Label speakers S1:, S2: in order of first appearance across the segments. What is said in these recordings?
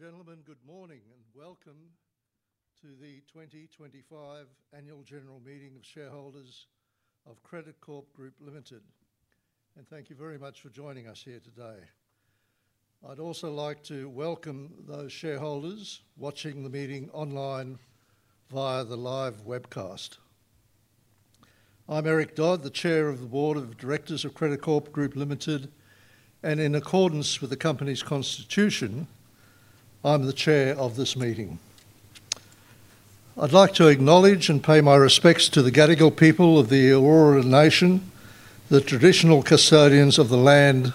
S1: Ladies and gentlemen, good morning and welcome to the 2025 Annual General Meeting of Shareholders of Credit Corp Group Ltd. Thank you very much for joining us here today. I'd also like to welcome those shareholders watching the meeting online via the live webcast. I'm Eric Dodd, the Chair of the Board of Directors of Credit Corp Group Ltd. In accordance with the company's Constitution, I'm the Chair of this meeting. I'd like to acknowledge and pay my respects to the Gadigal people of the Eora Nation, the traditional custodians of the land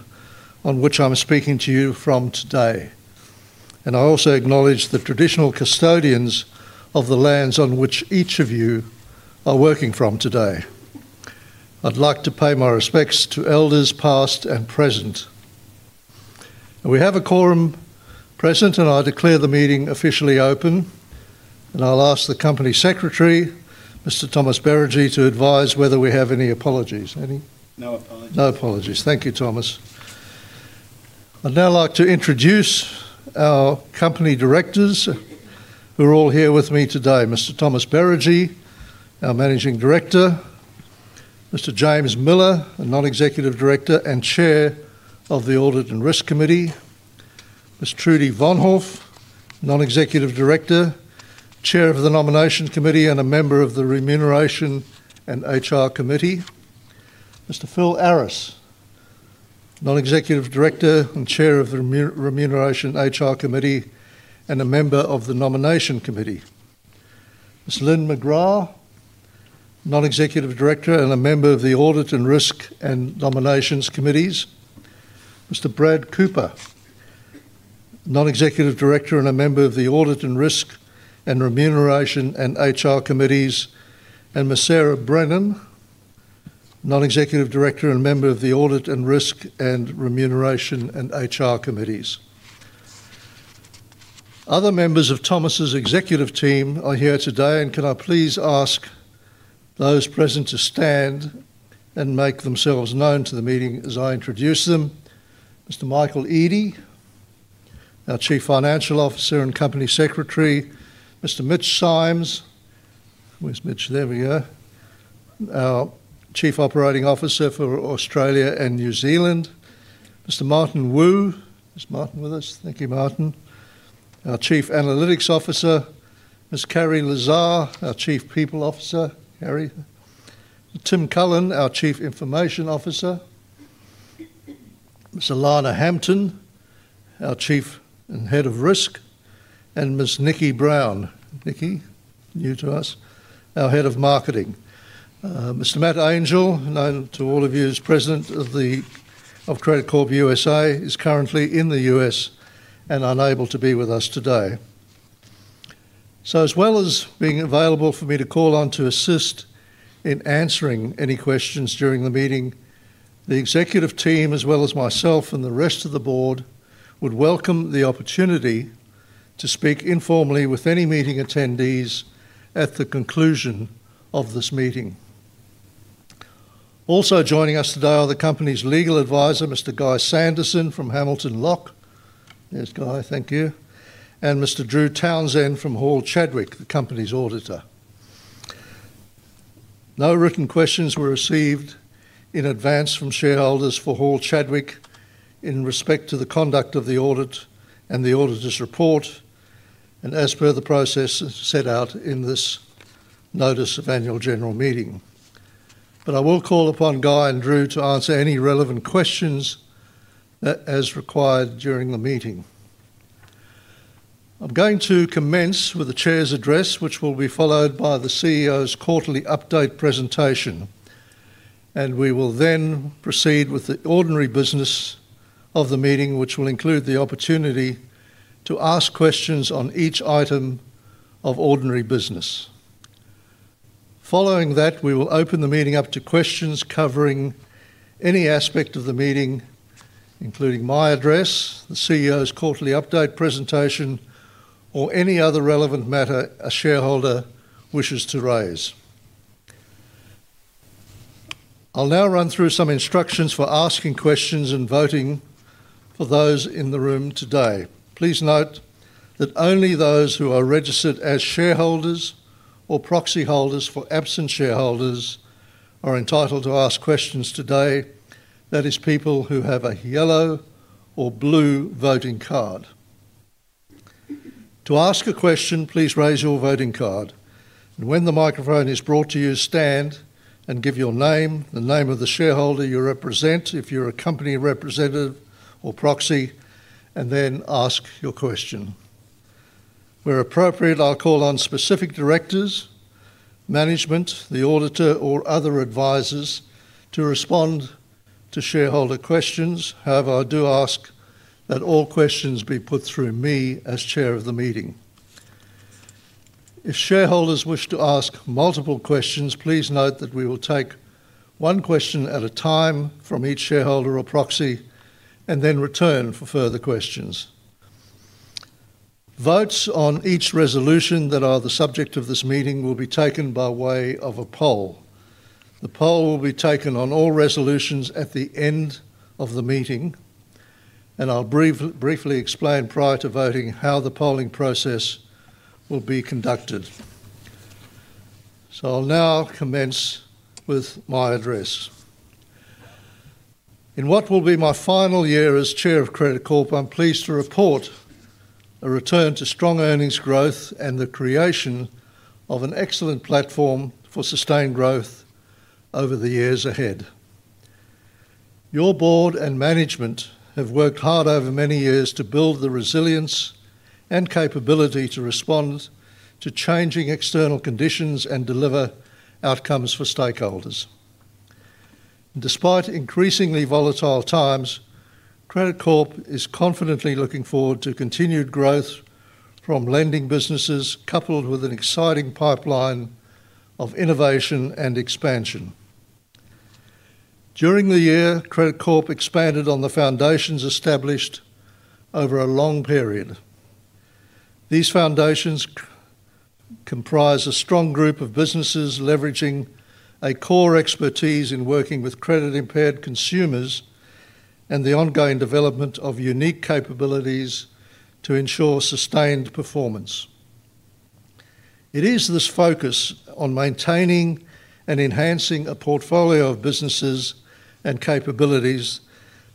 S1: on which I'm speaking to you from today. I also acknowledge the traditional custodians of the lands on which each of you are working from today. I'd like to pay my respects to Elders past and present. We have a quorum present, and I declare the meeting officially open. I'll ask the Company Secretary, Mr. Thomas Beregi, to advise whether we have any apologies. Any?
S2: No apologies.
S1: No apologies. Thank you, Thomas. I'd now like to introduce our Company Directors, who are all here with me today: Mr. Thomas Beregi, our Managing Director; Mr. James Millar, a Non-Executive Director and Chair of the Audit and Risk Committee; Ms. Trudy Vonhoff, Non-Executive Director, Chair of the Nomination Committee and a Member of the Remuneration and HR Committee; Mr. Phillip Aris, Non-Executive Director and Chair of the Remuneration and HR Committee and a Member of the Nomination Committee; Ms. Lyn McGrath, Non-Executive Director and a Member of the Audit and Risk and Nomination Committees; Mr. Brad Cooper, Non-Executive Director and a Member of the Audit and Risk and Remuneration and HR Committees; and Ms. Sarah Brennan, Non-Executive Director and a Member of the Audit and Risk and Remuneration and HR Committees. Other members of Thomas's executive team are here today, and can I please ask those present to stand and make themselves known to the meeting as I introduce them: Mr. Michael Eadie, our Chief Financial Officer and Company Secretary; Mr. Mitch Symes, there we go, our Chief Operating Officer for Australia and New Zealand; Mr. Martin Wu, is Martin with us? Thank you, Martin. Our Chief Analytics Officer; Ms. Carrie Lazar, our Chief People Officer. Carrie? Tim Cullen, our Chief Information Officer; Ms. Alana Hampton, our Head of Risk; and Ms. Nikki Brown, Nikki new to us, our Head of Marketing. Mr. Matt Angel, known to all of you as President of Credit Corp USA, is currently in the U.S. and unable to be with us today. As well as being available for me to call on to assist in answering any questions during the meeting, the executive team, as well as myself and the rest of the Board, would welcome the opportunity to speak informally with any meeting attendees at the conclusion of this meeting. Also joining us today are the Company's Legal Advisor, Mr. Guy Sanderson from Hamilton Locke. There's Guy, thank you. And Mr. Drew Townsend from Hall Chadwick, the Company's Auditor. No written questions were received in advance from shareholders for Hall Chadwick in respect to the conduct of the audit and the Auditor's report, as per the process set out in this Notice of Annual General Meeting. I will call upon Guy and Drew to answer any relevant questions as required during the meeting. I'm going to commence with the Chair's Address, which will be followed by the CEO's Quarterly Update Presentation. We will then proceed with the Ordinary Business of the meeting, which will include the opportunity to ask questions on each item of Ordinary Business. Following that, we will open the meeting up to questions covering any aspect of the meeting, including my address, the CEO's Quarterly Update Presentation, or any other relevant matter a shareholder wishes to raise. I'll now run through some instructions for asking questions and voting for those in the room today. Please note that only those who are registered as shareholders or proxy holders for absent shareholders are entitled to ask questions today. That is, people who have a yellow or blue voting card. To ask a question, please raise your voting card. When the microphone is brought to you, stand and give your name, the name of the shareholder you represent if you're a Company representative or proxy, and then ask your question. Where appropriate, I'll call on specific directors, management, the Auditor, or other advisors to respond to shareholder questions. However, I do ask that all questions be put through me as Chair of the meeting. If shareholders wish to ask multiple questions, please note that we will take one question at a time from each shareholder or proxy and then return for further questions. Votes on each resolution that are the subject of this meeting will be taken by way of a poll. The poll will be taken on all resolutions at the end of the meeting. I'll briefly explain prior to voting how the polling process will be conducted. I'll now commence with my address. In what will be my final year as Chair of Credit Corp, I'm pleased to report a return to strong earnings growth and the creation of an excellent platform for sustained growth over the years ahead. Your Board and management have worked hard over many years to build the resilience and capability to respond to changing external conditions and deliver outcomes for stakeholders. Despite increasingly volatile times, Credit Corp is confidently looking forward to continued growth from lending businesses coupled with an exciting pipeline of innovation and expansion. During the year, Credit Corp expanded on the foundations established over a long period. These foundations comprise a strong group of businesses leveraging a core expertise in working with credit-impaired consumers and the ongoing development of unique capabilities to ensure sustained performance. It is this focus on maintaining and enhancing a portfolio of businesses and capabilities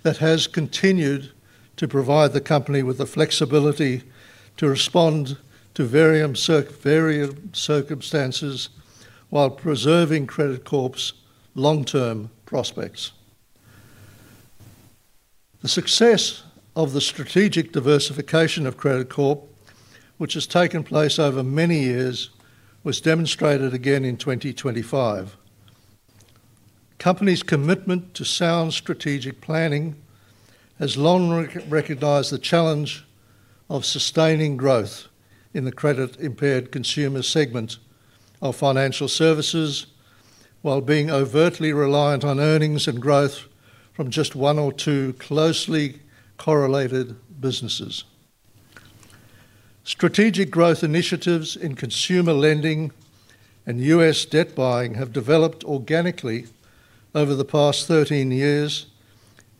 S1: that has continued to provide the Company with the flexibility to respond to varying circumstances while preserving Credit Corp's long-term prospects. The success of the strategic diversification of Credit Corp, which has taken place over many years, was demonstrated again in 2025. The Company's commitment to sound strategic planning has long recognized the challenge of sustaining growth in the credit-impaired consumer segment of financial services while being overtly reliant on earnings and growth from just one or two closely correlated businesses. Strategic growth initiatives in consumer lending and U.S. debt buying have developed organically over the past 13 years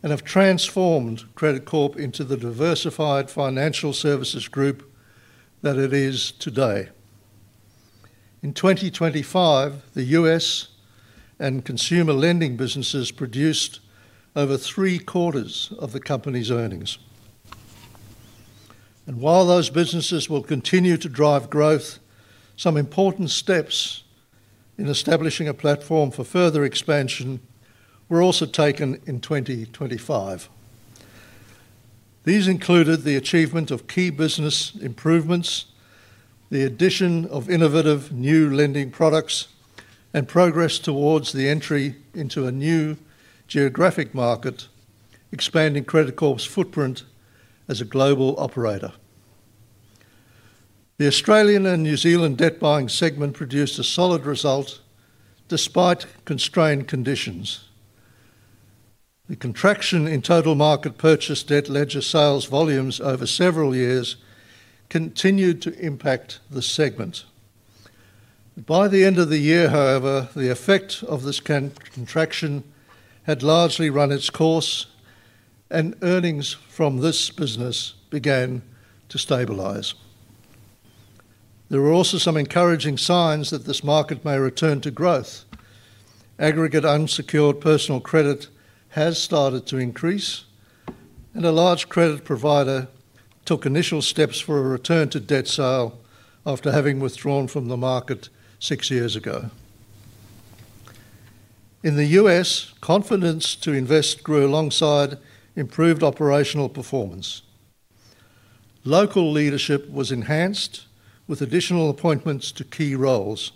S1: and Credit Corp into the diversified financial services group that it is today. In 2025, the U.S. and consumer lending businesses produced over three-quarters of the Company's earnings. While those businesses will continue to drive growth, some important steps in establishing a platform for further expansion were also taken in 2025. These included the achievement of key business improvements, the addition of innovative new lending products, and progress towards the entry into a new geographic expanding Credit Corp's footprint as a global operator. The Australian and New Zealand debt buying segment produced a solid result despite constrained conditions. The contraction in total market purchase debt ledger sales volumes over several years continued to impact the segment. By the end of the year, however, the effect of this contraction had largely run its course, and earnings from this business began to stabilize. There were also some encouraging signs that this market may return to growth. Aggregate unsecured personal credit has started to increase, and a large credit provider took initial steps for a return to debt sale after having withdrawn from the market six years ago. In the U.S., confidence to invest grew alongside improved operational performance. Local leadership was enhanced with additional appointments to key roles,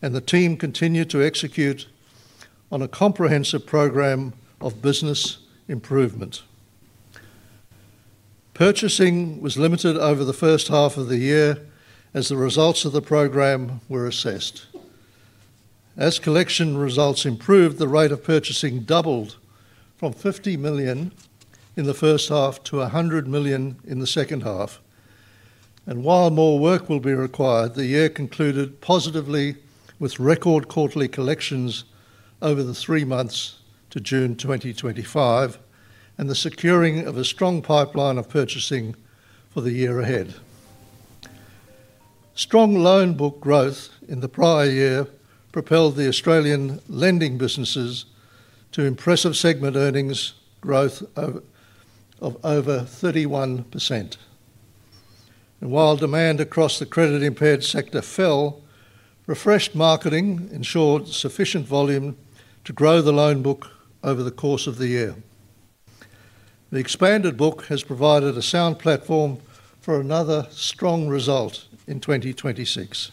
S1: and the team continued to execute on a comprehensive program of business improvement. Purchasing was limited over the first half of the year as the results of the program were assessed. As collection results improved, the rate of purchasing doubled from $50 million in the first half to $100 million in the second half. While more work will be required, the year concluded positively with record quarterly collections over the three months to June 2025 and the securing of a strong pipeline of purchasing for the year ahead. Strong loan book growth in the prior year propelled the Australian lending businesses to impressive segment earnings growth of over 31%. While demand across the credit-impaired sector fell, refreshed marketing ensured sufficient volume to grow the loan book over the course of the year. The expanded book has provided a sound platform for another strong result in 2026.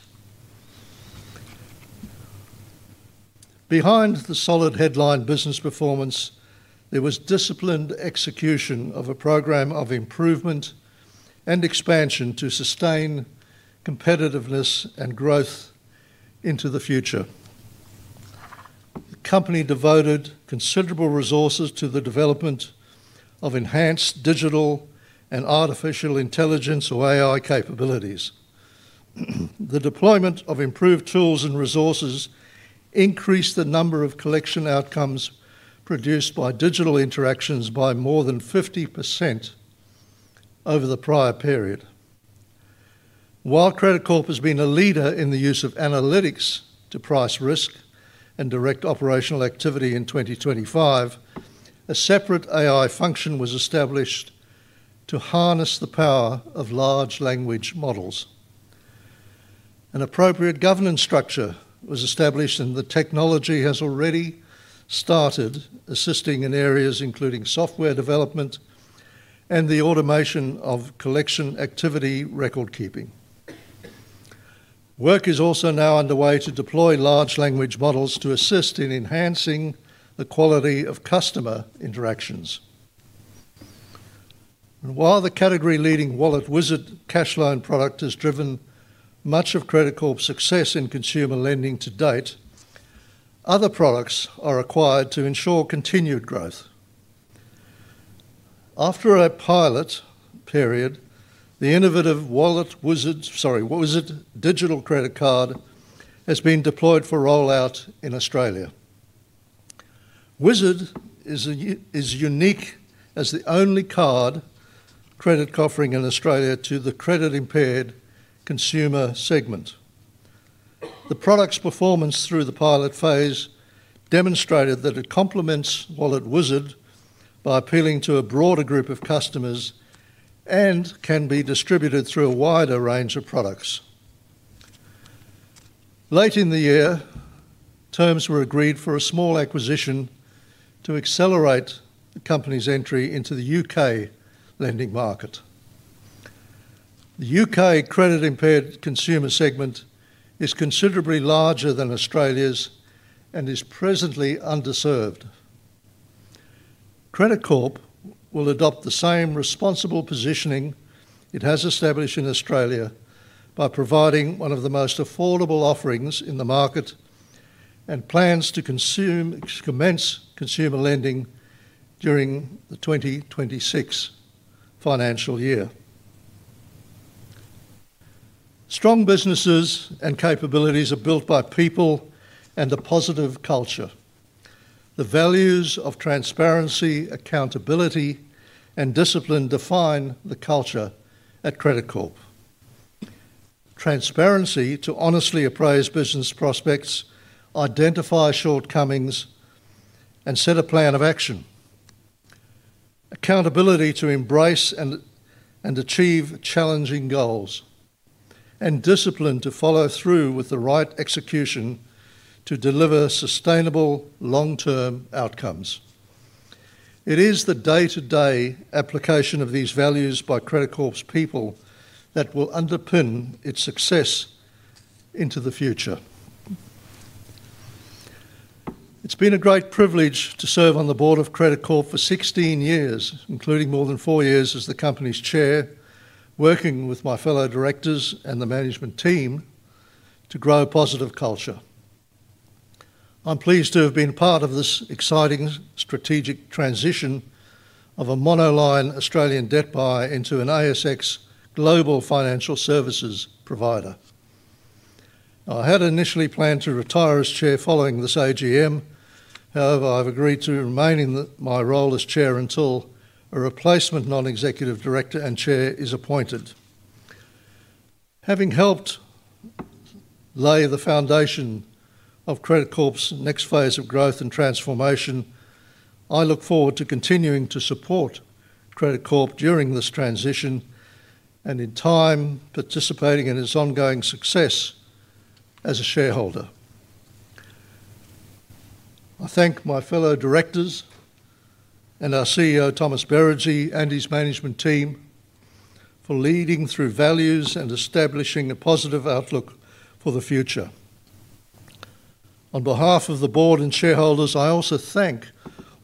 S1: Behind the solid headline business performance, there was disciplined execution of a program of improvement and expansion to sustain competitiveness and growth into the future. The Company devoted considerable resources to the development of enhanced digital and artificial intelligence, or AI, capabilities. The deployment of improved tools and resources increased the number of collection outcomes produced by digital interactions by more than 50% over the prior period. Credit Corp has been a leader in the use of analytics to price risk and direct operational activity in 2025, a separate AI function was established to harness the power of large language models. An appropriate governance structure was established, and the technology has already started assisting in areas including software development and the automation of collection activity record keeping. Work is also now underway to deploy large language models to assist in enhancing the quality of customer interactions. While the category-leading Wallet Wizard cash loan product has driven of Credit Corp's success in consumer lending to date, other products are required to ensure continued growth. After a pilot period, the innovative Wizard digital credit card has been deployed for rollout in Australia. Wizard is unique as the only card credit offering in Australia to the credit-impaired consumer segment. The product's performance through the pilot phase demonstrated that it complements Wallet Wizard by appealing to a broader group of customers and can be distributed through a wider range of products. Late in the year, terms were agreed for a small acquisition to accelerate the Company's entry into the UK lending market. The UK credit-impaired consumer segment is considerably larger than Australia's and is presently underserved. Credit Corp will adopt the same responsible positioning it has established in Australia by providing one of the most affordable offerings in the market and plans to commence consumer lending during the 2026 financial year. Strong businesses and capabilities are built by people and a positive culture. The values of transparency, accountability, and discipline define the culture at Credit Corp. Transparency to honestly appraise business prospects, identify shortcomings, and set a plan of action. Accountability to embrace and achieve challenging goals. Discipline to follow through with the right execution to deliver sustainable long-term outcomes. It is the day-to-day application of these values by Credit Corp's people that will underpin its success into the future. It's been a great privilege to serve on the Board of Credit Corp for 16 years, including more than four years as the Company's Chair, working with my fellow directors and the management team to grow a positive culture. I'm pleased to have been part of this exciting strategic transition of a mono-line Australian debt buyer into an ASX global financial services provider. I had initially planned to retire as Chair following this AGM. However, I have agreed to remain in my role as Chair until a replacement Non-Executive Director and Chair is appointed. Having helped lay the foundation of Credit Corp's next phase of growth and transformation, I look forward to continuing to support Credit Corp during this transition and in time participating in its ongoing success as a shareholder. I thank my fellow directors and our CEO, Thomas Beregi, and his management team for leading through values and establishing a positive outlook for the future. On behalf of the Board and shareholders, I also thank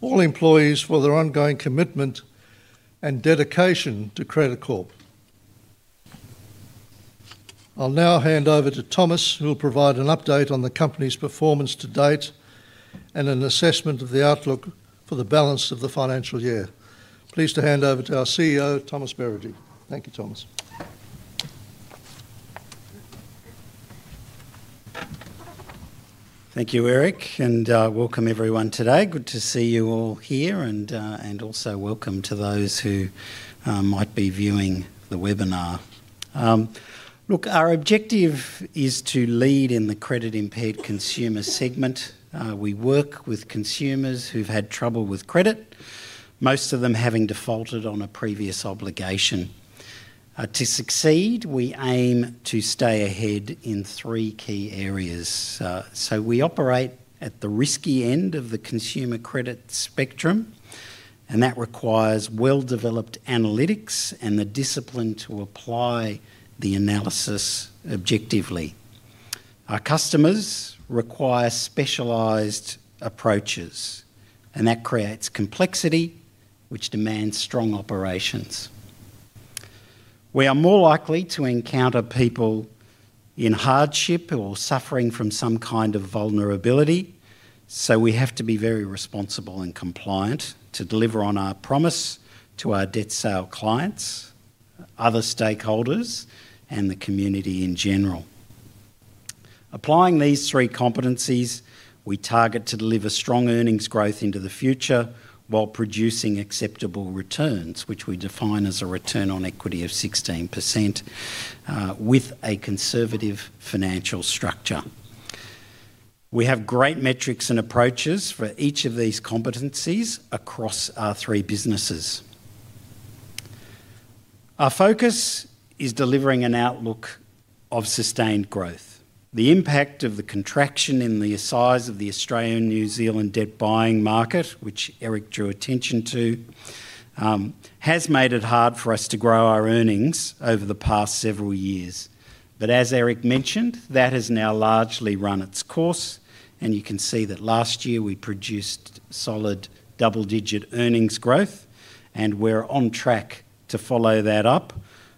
S1: all employees for their ongoing commitment and dedication to Credit Corp. I'll now hand over to Thomas, who will provide an update on the Company's performance to date and an assessment of the outlook for the balance of the financial year. Pleased to hand over to our CEO, Thomas Beregi. Thank you, Thomas.
S2: Thank you, Eric, and welcome everyone today. Good to see you all here, and also welcome to those who might be viewing the webinar. Look, our objective is to lead in the credit-impaired consumer segment. We work with consumers who've had trouble with credit, most of them having defaulted on a previous obligation. To succeed, we aim to stay ahead in three key areas. We operate at the risky end of the consumer credit spectrum, and that requires well-developed analytics and the discipline to apply the analysis objectively. Our customers require specialized approaches, and that creates complexity, which demands strong operations. We are more likely to encounter people in hardship or suffering from some kind of vulnerability, so we have to be very responsible and compliant to deliver on our promise to our debt sale clients, other stakeholders, and the community in general. Applying these three competencies, we target to deliver strong earnings growth into the future while producing acceptable returns, which we define as a return on equity of 16% with a conservative financial structure. We have great metrics and approaches for each of these competencies across our three businesses. Our focus is delivering an outlook of sustained growth. The impact of the contraction in the size of the Australian and New Zealand debt buying market, which Eric drew attention to, has made it hard for us to grow our earnings over the past several years. As Eric mentioned, that has now largely run its course, and you can see that last year we produced solid double-digit earnings growth, and we're on track to follow that up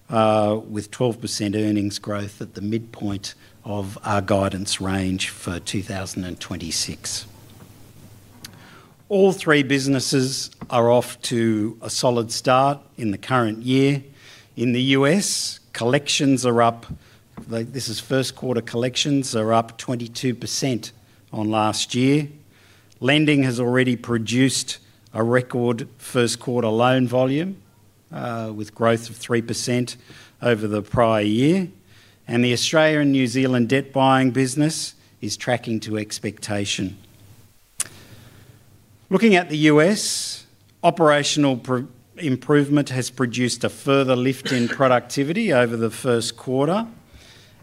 S2: with 12% earnings growth at the midpoint of our guidance range for 2026. All three businesses are off to a solid start in the current year. In the U.S., collections are up. This is first quarter collections are up 22% on last year. Lending has already produced a record first quarter loan volume with growth of 3% over the prior year. The Australian and New Zealand debt buying business is tracking to expectation. Looking at the U.S., operational improvement has produced a further lift in productivity over the first quarter.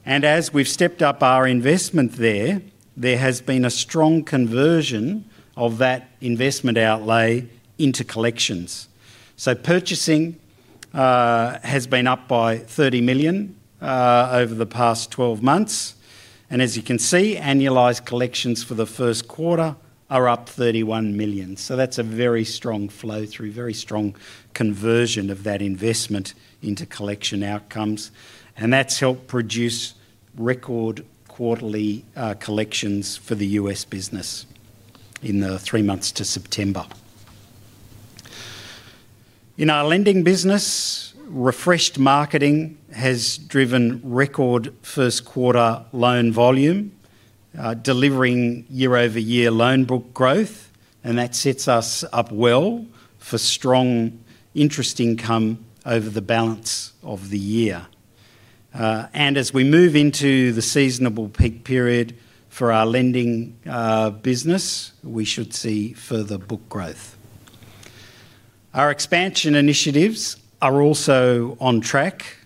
S2: As we've stepped up our investment there, there has been a strong conversion of that investment outlay into collections. Purchasing has been up by $30 million over the past 12 months. As you can see, annualized collections for the first quarter are up $31 million. That's a very strong flow-through, very strong conversion of that investment into collection outcomes. That's helped produce record quarterly collections for the U.S. business in the three months to September. In our lending business, refreshed marketing has driven record first quarter loan volume, delivering year-over-year loan book growth. That sets us up well for strong interest income over the balance of the year. As we move into the seasonable peak period for our lending business, we should see further book growth. Our expansion initiatives are also on track.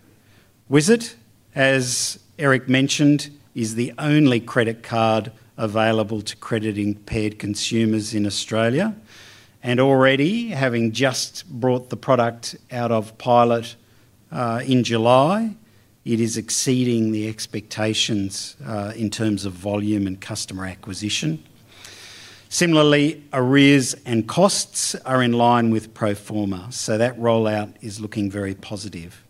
S2: Wizard, as Eric mentioned, is the only credit card available to credit-impaired consumers in Australia. Already, having just brought the product out of pilot in July, it is exceeding the expectations in terms of volume and customer acquisition. Similarly, arrears and costs are in line with pro forma, so that rollout is looking very positive.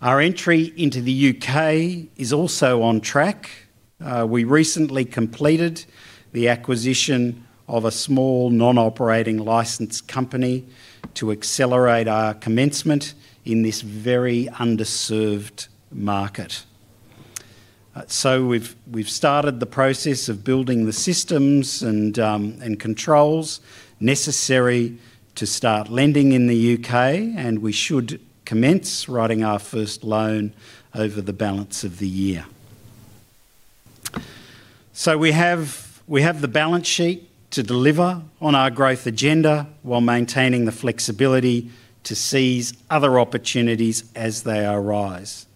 S2: Our entry into the UK is also on track. We recently completed the acquisition of a small non-operating licensed company to accelerate our commencement in this very underserved market. We've started the process of building the systems and controls necessary to start lending in the UK, and we should commence writing our first loan over the balance of the year. We have the balance sheet to deliver on our growth agenda while maintaining the flexibility to seize other opportunities as they arise.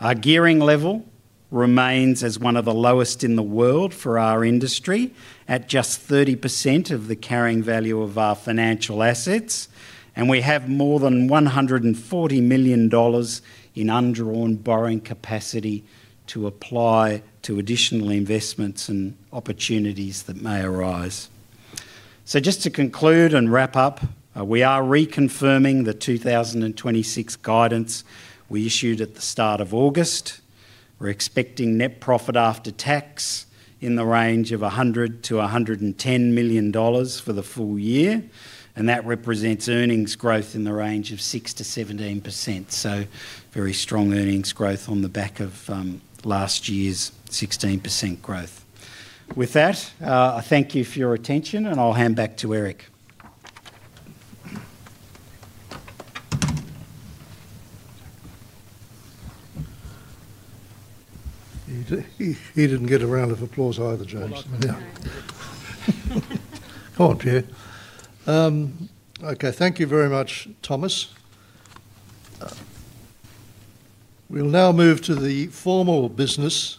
S2: Our gearing level remains as one of the lowest in the world for our industry, at just 30% of the carrying value of our financial assets. We have more than $140 million in undrawn borrowing capacity to apply to additional investments and opportunities that may arise. Just to conclude and wrap up, we are reconfirming the 2026 guidance we issued at the start of August. We're expecting net profit after tax in the range of $100 million-$110 million for the full year. That represents earnings growth in the range of 6% to 17%. Very strong earnings growth on the back of last year's 16% growth. With that, I thank you for your attention, and I'll hand back to Eric.
S1: He didn't get a round of applause either, James. Come on, Pierre. Okay, thank you very much, Thomas. We'll now move to the formal business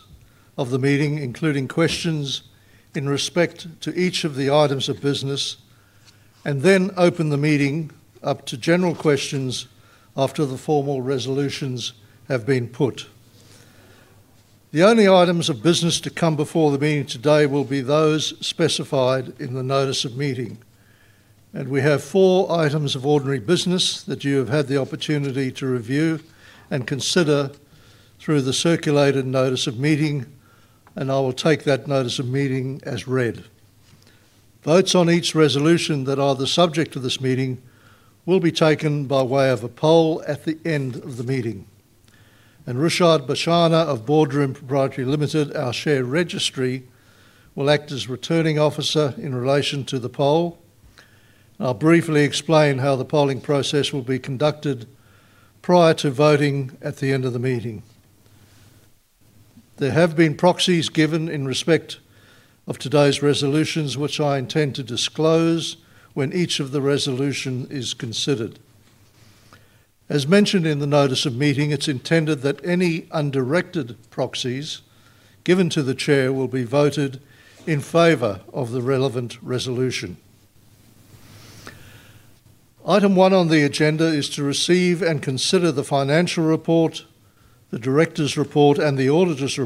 S1: of the meeting, including questions in respect to each of the items of business, and then open the meeting up to general questions after the formal resolutions have been put. The only items of business to come before the meeting today will be those specified in the Notice of Meeting. We have four items of Ordinary Business that you have had the opportunity to review and consider through the circulated Notice of Meeting, and I will take that Notice of Meeting as read. Votes on each resolution that are the subject of this meeting will be taken by way of a poll at the end of the meeting. Rashad Bashana of Boardroom Proprietary Limited, our share registry, will act as returning officer in relation to the poll. I'll briefly explain how the polling process will be conducted prior to voting at the end of the meeting. There have been proxies given in respect of today's resolutions, which I intend to disclose when each of the resolutions is considered. As mentioned in the Notice of Meeting, it's intended that any undirected proxies given to the Chair will be voted in favor of the relevant resolution. Item one on the agenda is to receive and consider the financial report, the director's report, and the auditor's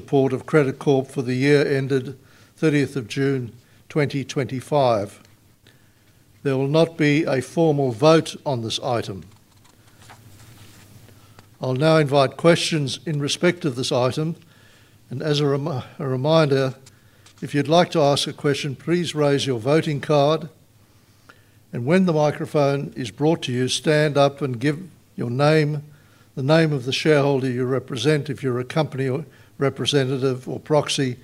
S1: Credit Corp for the year ended June 30, 2025. There will not be a formal vote on this item. I'll now invite questions in respect of this item. As a reminder, if you'd like to ask a question, please raise your voting card. When the microphone is brought to you, stand up and give your name, the name of the shareholder you represent if you're a company representative or proxy,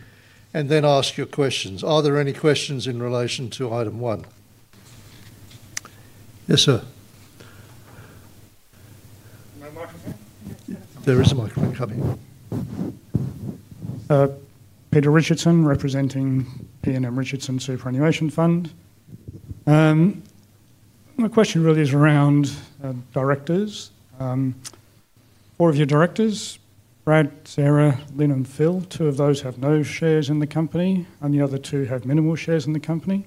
S1: and then ask your questions. Are there any questions in relation to item one? Yes, sir. my microphone on? There is a microphone coming.
S3: Peter Richardson, representing PNM Richardson Superannuation Fund. My question really is around directors. Four of your directors, Brad, Sarah, Lyn, and Phil. Two of those have no shares in the company, and the other two have minimal shares in the company.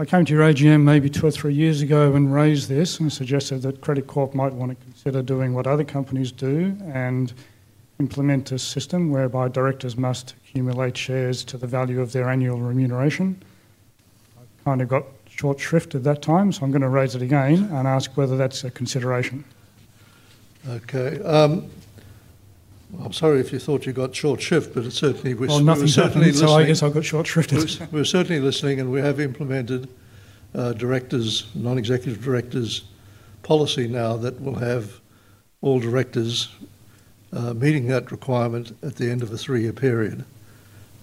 S3: I came to your AGM maybe two or three years ago and raised this, and I Credit Corp might want to consider doing what other companies do and implement a system whereby directors must accumulate shares to the value of their annual remuneration. I kind of got short-shrifted that time, so I'm going to raise it again and ask whether that's a consideration.
S1: Okay. I'm sorry if you thought you got short shrift, but it certainly was.
S3: No, nothing certainly. I guess I got short-shifted.
S1: We're certainly listening, and we have implemented directors, non-executive directors policy now that will have all directors meeting that requirement at the end of a three-year period.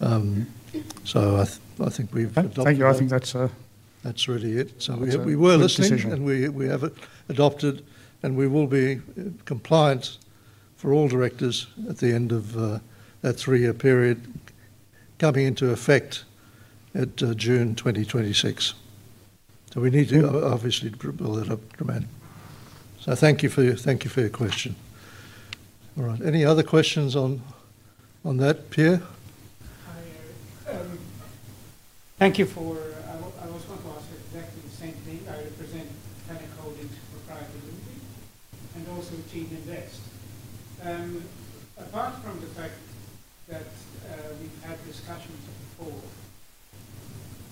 S1: I think we've.
S3: Thank you. I think that's it.
S1: That's really it. We were listening, and we have adopted, and we will be compliant for all directors at the end of that three-year period coming into effect at June 2026. We need to obviously build it up dramatically. Thank you for your question. All right. Any other questions on that, Pierre?
S4: Hi, Eric. Thank you for, I also want to ask you exactly the same thing. I represent Panacotics Proprietary Limited and also Team Invest. Apart from the fact that we've had discussions before,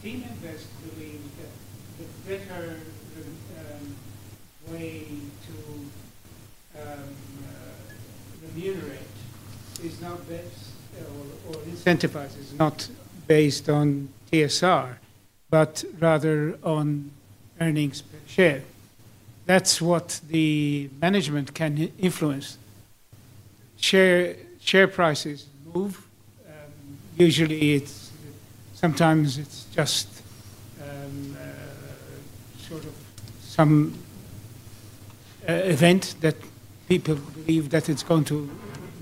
S4: Team Invest believes that the better way to remunerate is not best or incentivized, is not based on TSR, but rather on earnings per share. That's what the management can influence. Share prices move. Usually, it's sometimes it's just sort of some event that people believe that it's going to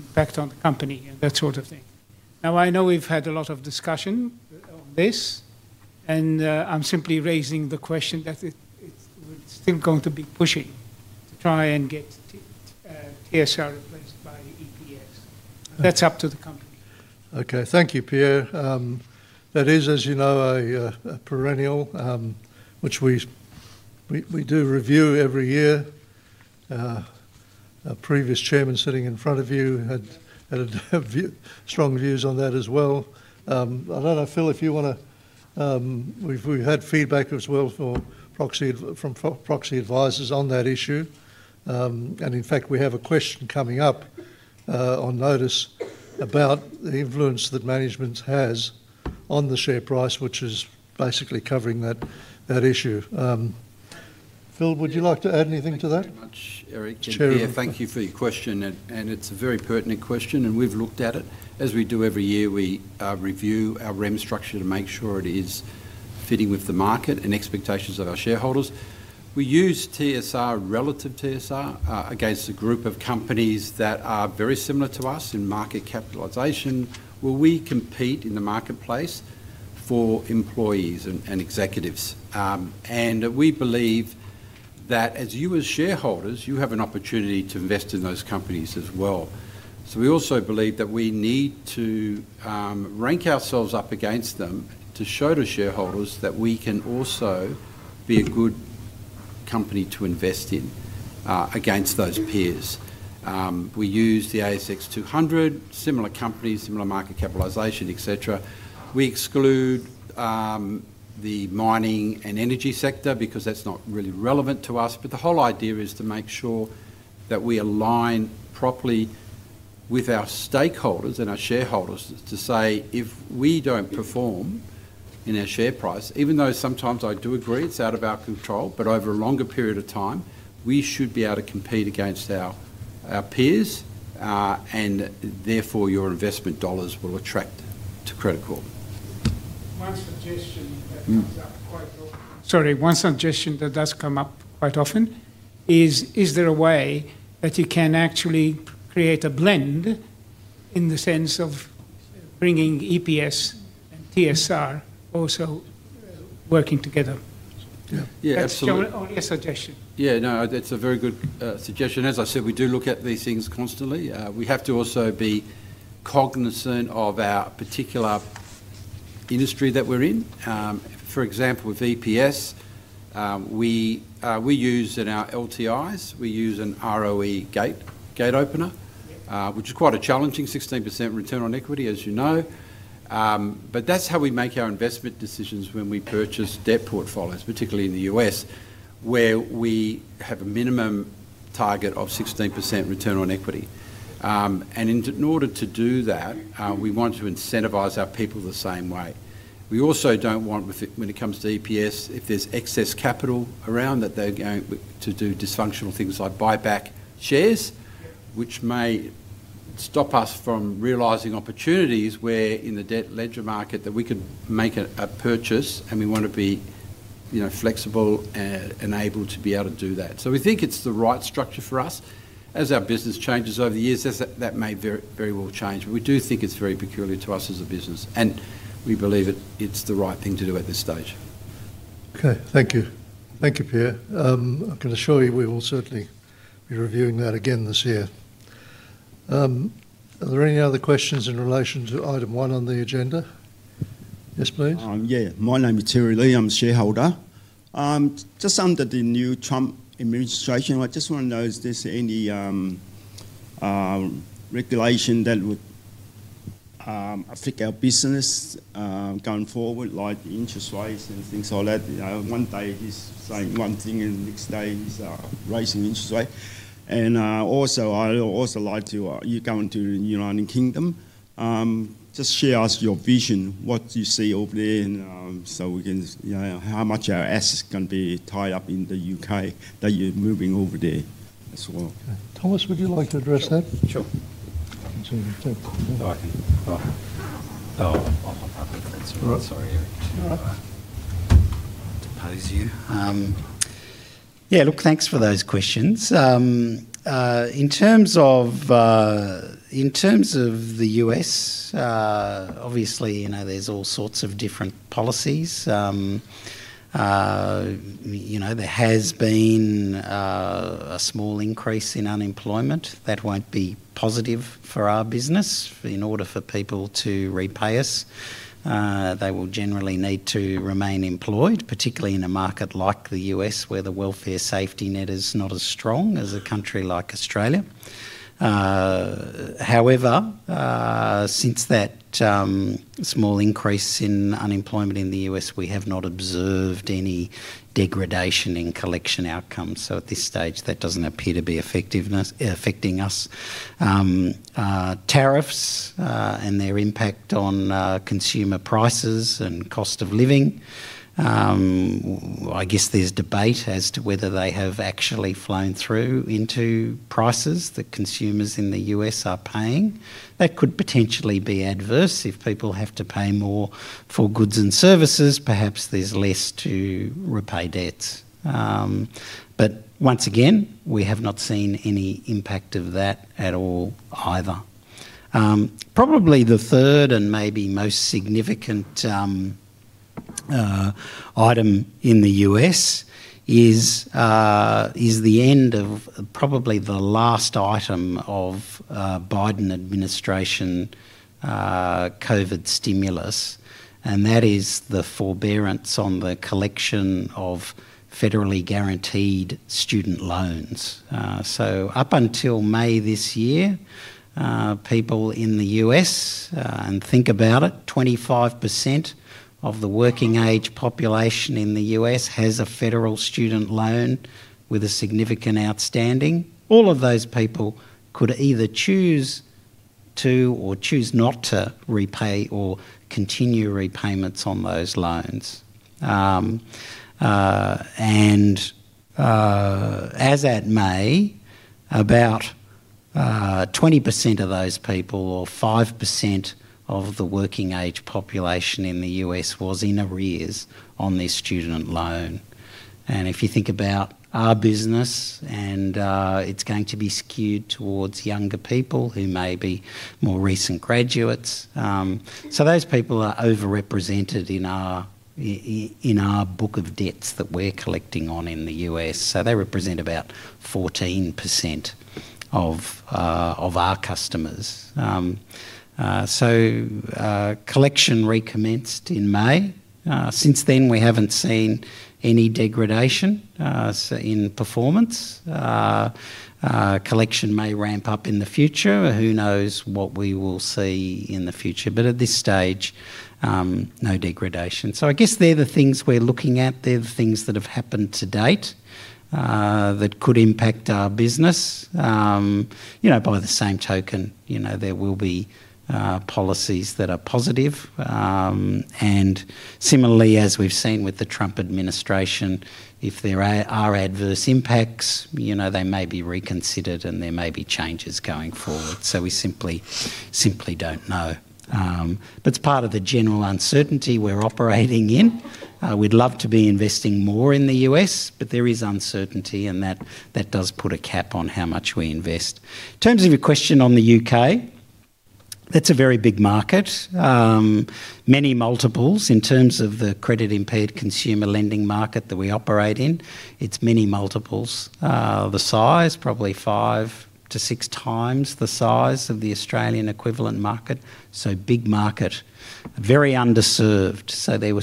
S4: impact on the company and that sort of thing. I know we've had a lot of discussion on this, and I'm simply raising the question that it's still going to be pushing to try and get TSR replaced by EPS. That's up to the company.
S1: Okay, thank you, Pierre. That is, as you know, a perennial which we do review every year. Previous Chairman sitting in front of you had strong views on that as well. I don't know, Phil, if you want to, we've had feedback as well from proxy advisors on that issue. In fact, we have a question coming up on notice about the influence that management has on the share price, which is basically covering that issue. Phil, would you like to add anything to that?
S5: Thank you very much, Eric. Pierre, thank you for your question. It's a very pertinent question, and we've looked at it. As we do every year, we review our remuneration structure to make sure it is fitting with the market and expectations of our shareholders. We use TSR, relative TSR, against a group of companies that are very similar to us in market capitalization, where we compete in the marketplace for employees and executives. We believe that as you, as shareholders, you have an opportunity to invest in those companies as well. We also believe that we need to rank ourselves up against them to show to shareholders that we can also be a good company to invest in against those peers. We use the ASX 200, similar companies, similar market capitalization, etc. We exclude the mining and energy sector because that's not really relevant to us. The whole idea is to make sure that we align properly with our stakeholders and our shareholders to say if we don't perform in our share price, even though sometimes I do agree it's out of our control, over a longer period of time, we should be able to compete against our peers, and therefore your investment dollars will attract to Credit Corp.
S4: One suggestion that does come up quite often is, is there a way that you can actually create a blend in the sense of bringing EPS and TSR also working together?
S5: Yeah, absolutely.
S4: That's the only suggestion.
S5: Yeah, no, that's a very good suggestion. As I said, we do look at these things constantly. We have to also be cognizant of our particular industry that we're in. For example, with EPS, we use in our LTIs, we use an ROE gate opener, which is quite a challenging 16% return on equity, as you know. That's how we make our investment decisions when we purchase debt portfolios, particularly in the U.S., where we have a minimum target of 16% return on equity. In order to do that, we want to incentivize our people the same way. We also don't want, when it comes to EPS, if there's excess capital around, that they're going to do dysfunctional things like buy back shares, which may stop us from realizing opportunities where in the debt ledger market that we could make a purchase, and we want to be, you know, flexible and able to be able to do that. We think it's the right structure for us. As our business changes over the years, that may very well change, but we do think it's very peculiar to us as a business, and we believe it's the right thing to do at this stage.
S1: Okay, thank you. Thank you, Pierre. I can assure you we will certainly be reviewing that again this year. Are there any other questions in relation to item one on the agenda? Yes, please.
S6: Yeah, my name is Terry Lee. I'm a shareholder. Under the new Trump administration, I just want to know, is there any regulation that would affect our business going forward, like interest rates and things like that? One day he's saying one thing and the next day he's raising interest rates. I'd also like to, you're going to the United Kingdom, just share us your vision, what do you see over there, and so we can, you know, how much our assets are going to be tied up in the UK that you're moving over there as well.
S1: Thomas, would you like to address that?
S2: Sure. Oh, I can't. I'll hop up a minute. Sorry, Eric.
S1: All right.
S5: It pales you.
S2: Yeah, look, thanks for those questions. In terms of the U.S., obviously, you know, there's all sorts of different policies. There has been a small increase in unemployment. That won't be positive for our business. In order for people to repay us, they will generally need to remain employed, particularly in a market like the U.S. where the welfare safety net is not as strong as a country like Australia. However, since that small increase in unemployment in the U.S., we have not observed any degradation in collection outcomes. At this stage, that doesn't appear to be affecting us. Tariffs and their impact on consumer prices and cost of living, I guess there's debate as to whether they have actually flown through into prices that consumers in the U.S. are paying. That could potentially be adverse if people have to pay more for goods and services. Perhaps there's less to repay debts. Once again, we have not seen any impact of that at all either. Probably the third and maybe most significant item in the U.S. is the end of probably the last item of Biden administration COVID stimulus. That is the forbearance on the collection of federally guaranteed student loans. Up until May this year, people in the U.S., and think about it, 25% of the working age population in the U.S. has a federal student loan with a significant outstanding. All of those people could either choose to or choose not to repay or continue repayments on those loans. As at May, about 20% of those people or 5% of the working age population in the U.S. was in arrears on their student loan. If you think about our business, it's going to be skewed towards younger people who may be more recent graduates. Those people are overrepresented in our book of debts that we're collecting on in the U.S. They represent about 14% of our customers. Collection recommenced in May. Since then, we haven't seen any degradation in performance. Collection may ramp up in the future. Who knows what we will see in the future? At this stage, no degradation. I guess they're the things we're looking at. They're the things that have happened to date that could impact our business. By the same token, there will be policies that are positive. Similarly, as we've seen with the Trump administration, if there are adverse impacts, they may be reconsidered and there may be changes going forward. We simply don't know. It's part of the general uncertainty we're operating in. We'd love to be investing more in the U.S., but there is uncertainty and that does put a cap on how much we invest. In terms of your question on the UK, that's a very big market. Many multiples in terms of the credit-impaired consumer lending market that we operate in. It's many multiples. The size, probably five to six times the size of the Australian equivalent market. Big market, very underserved. There were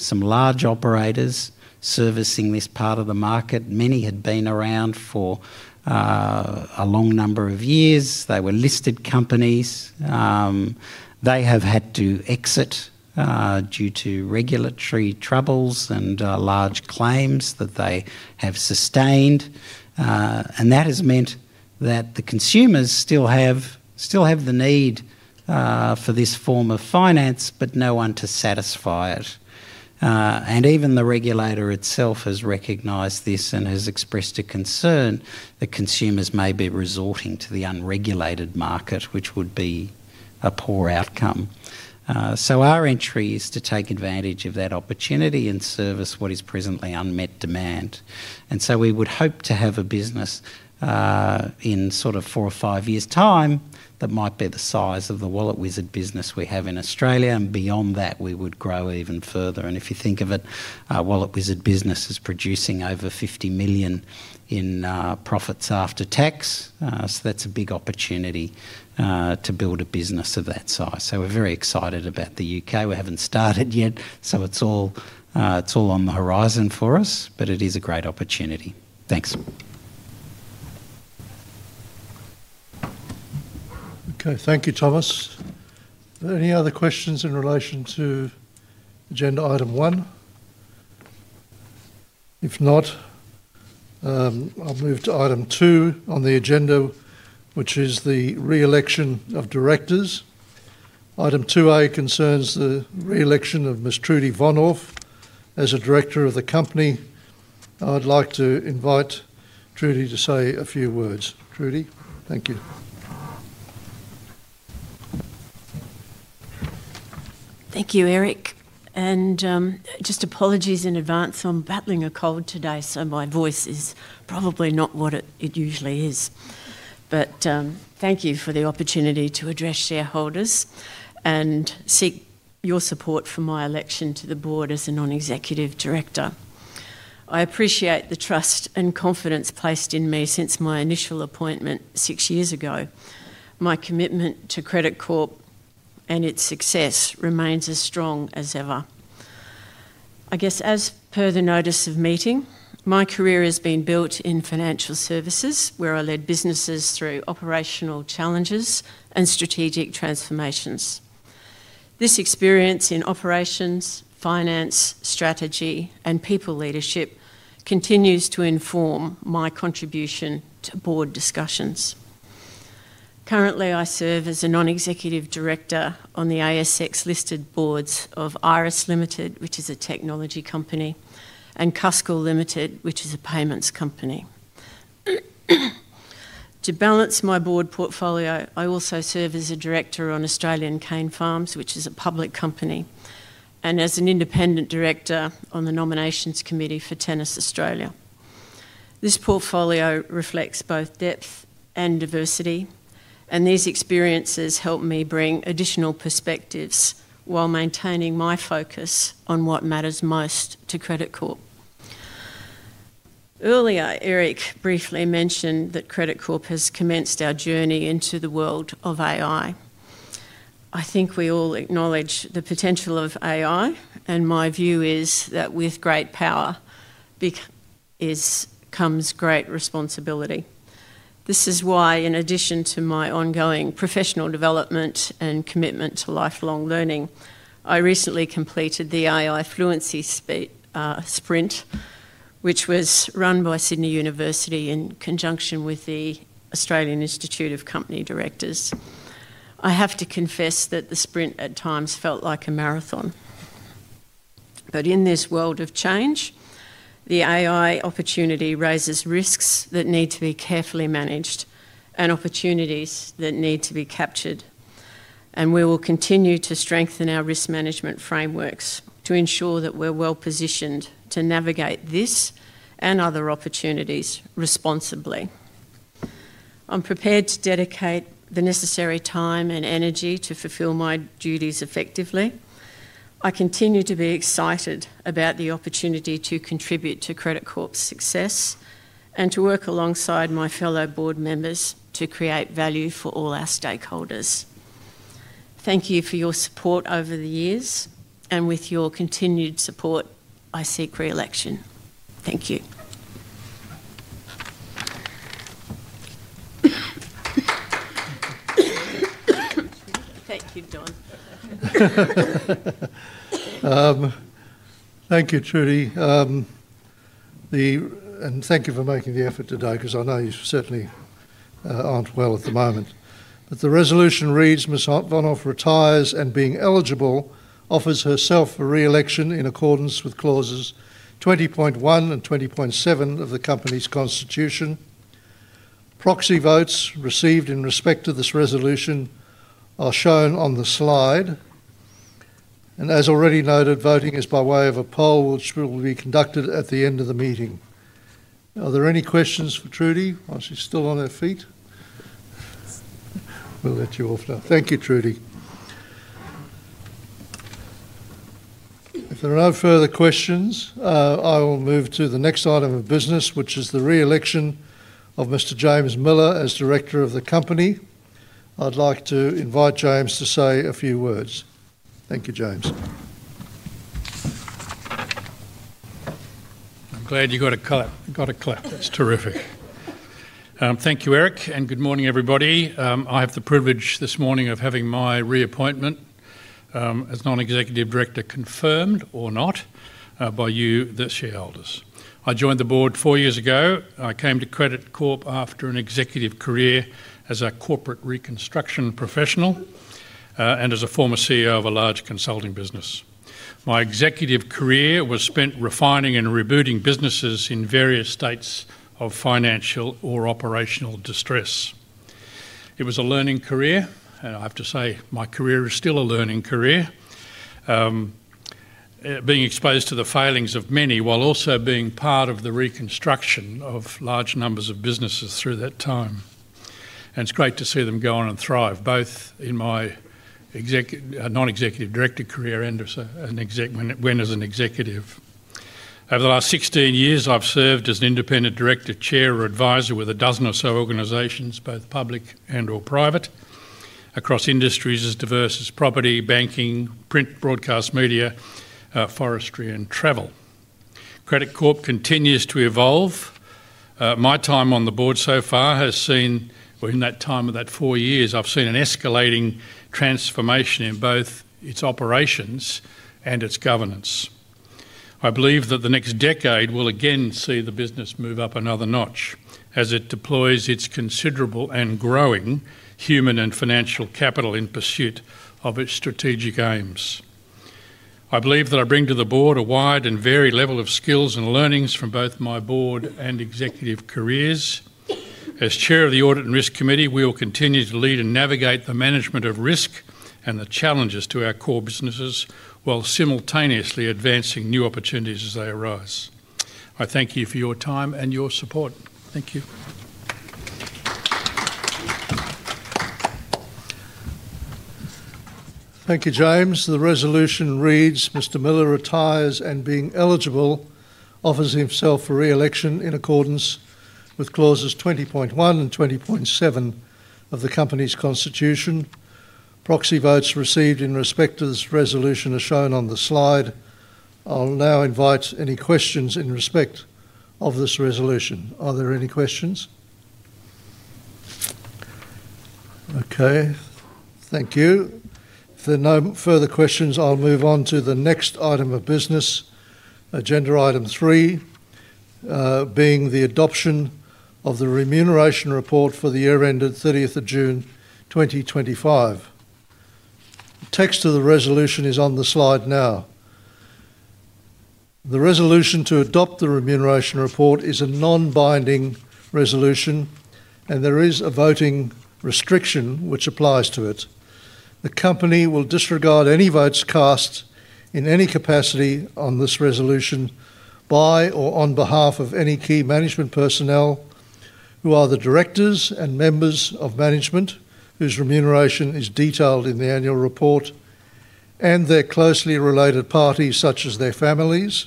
S2: some large operators servicing this part of the market. Many had been around for a long number of years. They were listed companies. They have had to exit due to regulatory troubles and large claims that they have sustained. That has meant that the consumers still have the need for this form of finance, but no one to satisfy it. Even the regulator itself has recognized this and has expressed a concern that consumers may be resorting to the unregulated market, which would be a poor outcome. Our entry is to take advantage of that opportunity and service what is presently unmet demand. We would hope to have a business in sort of four or five years' time that might be the size of the Wallet Wizard business we have in Australia. Beyond that, we would grow even further. If you think of it, our Wallet Wizard business is producing over $50 million in profits after tax. That's a big opportunity to build a business of that size. We're very excited about the UK. We haven't started yet. It's all on the horizon for us, but it is a great opportunity. Thanks.
S1: Okay, thank you, Thomas. Are there any other questions in relation to agenda item one? If not, I'll move to item two on the agenda, which is the reelection of directors. Item two A concerns the reelection of Ms. Trudy Vonhoff as a director of the company. I'd like to invite Trudy to say a few words. Trudy, thank you.
S7: Thank you, Eric. Apologies in advance. I'm battling a cold today, so my voice is probably not what it usually is. Thank you for the opportunity to address shareholders and seek your support for my election to the Board as a Non-Executive Director. I appreciate the trust and confidence placed in me since my initial appointment six years ago. My Credit Corp and its success remains as strong as ever. As per the notice of meeting, my career has been built in financial services where I led businesses through operational challenges and strategic transformations. This experience in operations, finance, strategy, and people leadership continues to inform my contribution to Board discussions. Currently, I serve as a Non-Executive Director on the ASX-listed boards of Iress Limited, which is a technology company, and Cuscal Limited, which is a pay`ments company. To balance my Board portfolio, I also serve as a Director on Australian Cane Farmers, which is a public company, and as an Independent Director on the Nominations Committee for Tennis Australia. This portfolio reflects both depth and diversity, and these experiences help me bring additional perspectives while maintaining my focus on what Credit Corp. earlier, eric briefly Credit Corp has commenced our journey into the world of AI. I think we all acknowledge the potential of AI, and my view is that with great power comes great responsibility. This is why, in addition to my ongoing professional development and commitment to lifelong learning, I recently completed the AI Fluency Sprint, which was run by Sydney University in conjunction with the Australian Institute of Company Directors. I have to confess that the sprint at times felt like a marathon. In this world of change, the AI opportunity raises risks that need to be carefully managed and opportunities that need to be captured. We will continue to strengthen our risk management frameworks to ensure that we're well positioned to navigate this and other opportunities responsibly. I'm prepared to dedicate the necessary time and energy to fulfill my duties effectively. I continue to be excited about the opportunity to to Credit Corp's success and to work alongside my fellow Board members to create value for all our stakeholders. Thank you for your support over the years, and with your continued support, I seek reelection. Thank you. Thank you, John.
S1: Thank you, Trudy. And thank you for making the effort today because I know you certainly aren't well at the moment. The resolution reads Ms. Vonhoff retires and, being eligible, offers herself for reelection in accordance with clauses 20.1 and 20.7 of the company's constitution. Proxy votes received in respect to this resolution are shown on the slide. As already noted, voting is by way of a poll, which will be conducted at the end of the meeting. Are there any questions for Trudy while she's still on her feet? We'll let you off now. Thank you, Trudy. If there are no further questions, I will move to the next item of business, which is the reelection of Mr. James Millar as Director of the company. I'd like to invite James to say a few words. Thank you, James.
S8: I'm glad you got a clap. That's terrific. Thank you, Eric, and good morning, everybody. I have the privilege this morning of having my reappointment as Non-Executive Director confirmed or not by you, the shareholders. I joined the board four years ago. I Credit Corp after an executive career as a corporate reconstruction professional and as a former CEO of a large consulting business. My executive career was spent refining and rebooting businesses in various states of financial or operational distress. It was a learning career, and I have to say my career is still a learning career, being exposed to the failings of many while also being part of the reconstruction of large numbers of businesses through that time. It's great to see them go on and thrive, both in my Non-Executive Director career and when as an executive. Over the last 16 years, I've served as an independent director, chair, or advisor with a dozen or so organizations, both public and/or private, across industries as diverse as property, banking, print, broadcast media, forestry, Credit Corp continues to evolve. My time on the board so far has seen, within that time of that four years, I've seen an escalating transformation in both its operations and its governance. I believe that the next decade will again see the business move up another notch as it deploys its considerable and growing human and financial capital in pursuit of its strategic aims. I believe that I bring to the board a wide and varied level of skills and learnings from both my board and executive careers. As Chair of the Audit and Risk Committee, we will continue to lead and navigate the management of risk and the challenges to our core businesses while simultaneously advancing new opportunities as they arise. I thank you for your time and your support. Thank you.
S1: Thank you, James. The resolution reads Mr. Millar retires and being eligible offers himself for reelection in accordance with clauses 20.1 and 20.7 of the company's constitution. Proxy votes received in respect to this resolution are shown on the slide. I'll now invite any questions in respect of this resolution. Are there any questions? Okay. Thank you. If there are no further questions, I'll move on to the next item of business, agenda item three, being the adoption of the remuneration report for the year ended 30 June 2025. The text of the resolution is on the slide now. The resolution to adopt the remuneration report is a non-binding resolution, and there is a voting restriction which applies to it. The company will disregard any votes cast in any capacity on this resolution by or on behalf of any key management personnel who are the directors and members of management whose remuneration is detailed in the annual report and their closely related parties such as their families.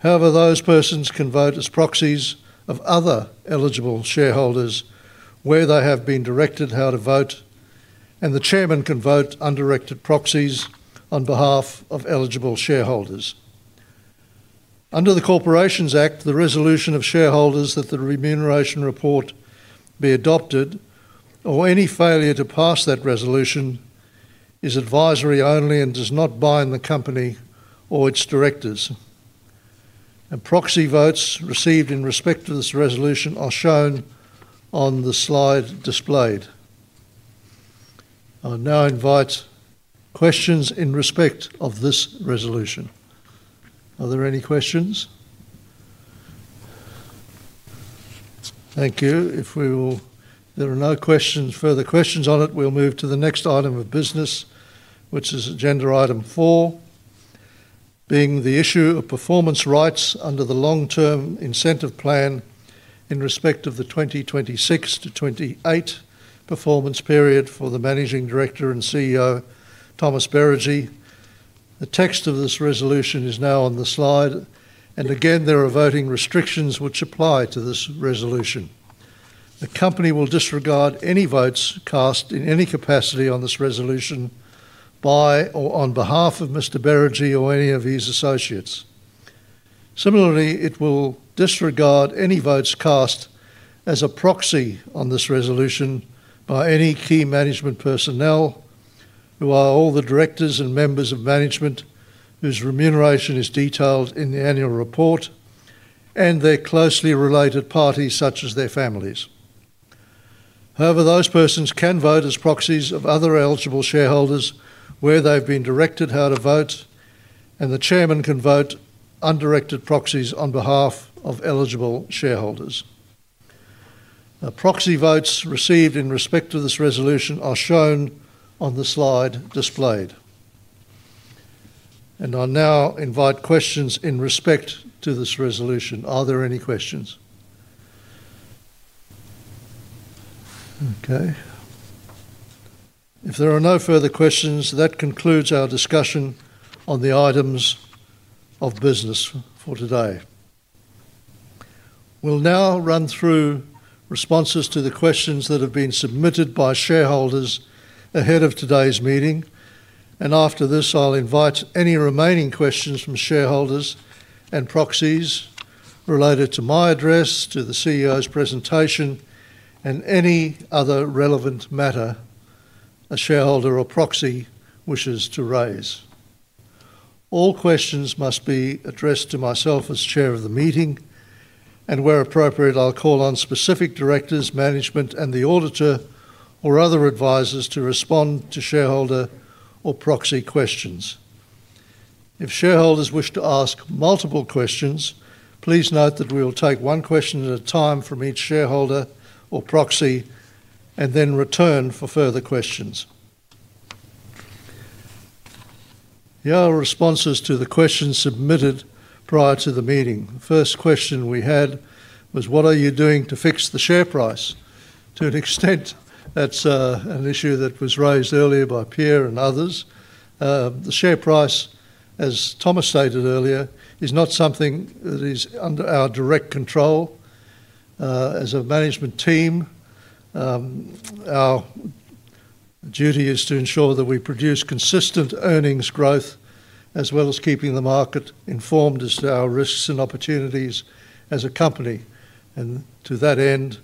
S1: However, those persons can vote as proxies of other eligible shareholders where they have been directed how to vote, and the Chairman can vote undirected proxies on behalf of eligible shareholders. Under the Corporations Act, the resolution of shareholders that the remuneration report be adopted or any failure to pass that resolution is advisory only and does not bind the company or its directors. Proxy votes received in respect to this resolution are shown on the slide displayed. I'll now invite questions in respect of this resolution. Are there any questions? Thank you. If there are no questions, further questions on it, we'll move to the next item of business, which is agenda item four, being the issue of performance rights under the long-term incentive plan in respect of the 2026 to 2028 performance period for the Managing Director and CEO, Thomas Beregi. The text of this resolution is now on the slide, and again, there are voting restrictions which apply to this resolution. The company will disregard any votes cast in any capacity on this resolution by or on behalf of Mr. Beregi or any of his associates. Similarly, it will disregard any votes cast as a proxy on this resolution by any key management personnel who are all the directors and members of management whose remuneration is detailed in the annual report and their closely related parties such as their families. However, those persons can vote as proxies of other eligible shareholders where they've been directed how to vote, and the Chairman can vote undirected proxies on behalf of eligible shareholders. Proxy votes received in respect to this resolution are shown on the slide displayed. I'll now invite questions in respect to this resolution. Are there any questions? Okay. If there are no further questions, that concludes our discussion on the items of business for today. We'll now run through responses to the questions that have been submitted by shareholders ahead of today's meeting. After this, I'll invite any remaining questions from shareholders and proxies related to my address, to the CEO's presentation, and any other relevant matter a shareholder or proxy wishes to raise. All questions must be addressed to myself as Chair of the meeting, and where appropriate, I'll call on specific directors, management, and the auditor, or other advisors to respond to shareholder or proxy questions. If shareholders wish to ask multiple questions, please note that we will take one question at a time from each shareholder or proxy and then return for further questions. Here are responses to the questions submitted prior to the meeting. The first question we had was, what are you doing to fix the share price? To an extent, that's an issue that was raised earlier by Pierre and others. The share price, as Thomas stated earlier, is not something that is under our direct control. As a management team, our duty is to ensure that we produce consistent earnings growth, as well as keeping the market informed as to our risks and opportunities as a company. To that end,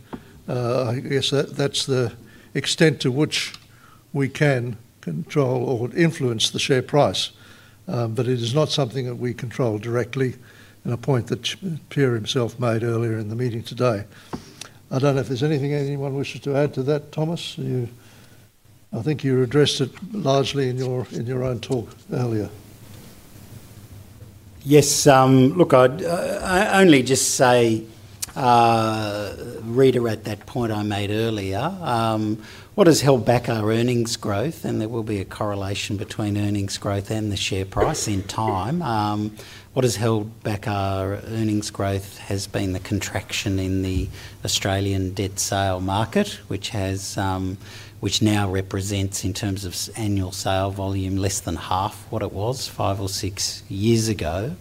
S1: I guess that's the extent to which we can control or influence the share price. It is not something that we control directly, and a point that Pierre himself made earlier in the meeting today. I don't know if there's anything anyone wishes to add to that, Thomas. I think you addressed it largely in your own talk earlier.
S2: Yes, look, I only just say reiterate that point I made earlier. What has held back our earnings growth, and there will be a correlation between earnings growth and the share price in time. What has held back our earnings growth has been the contraction in the Australian debt sale market, which now represents, in terms of annual sale volume, less than half what it was five or six years ago.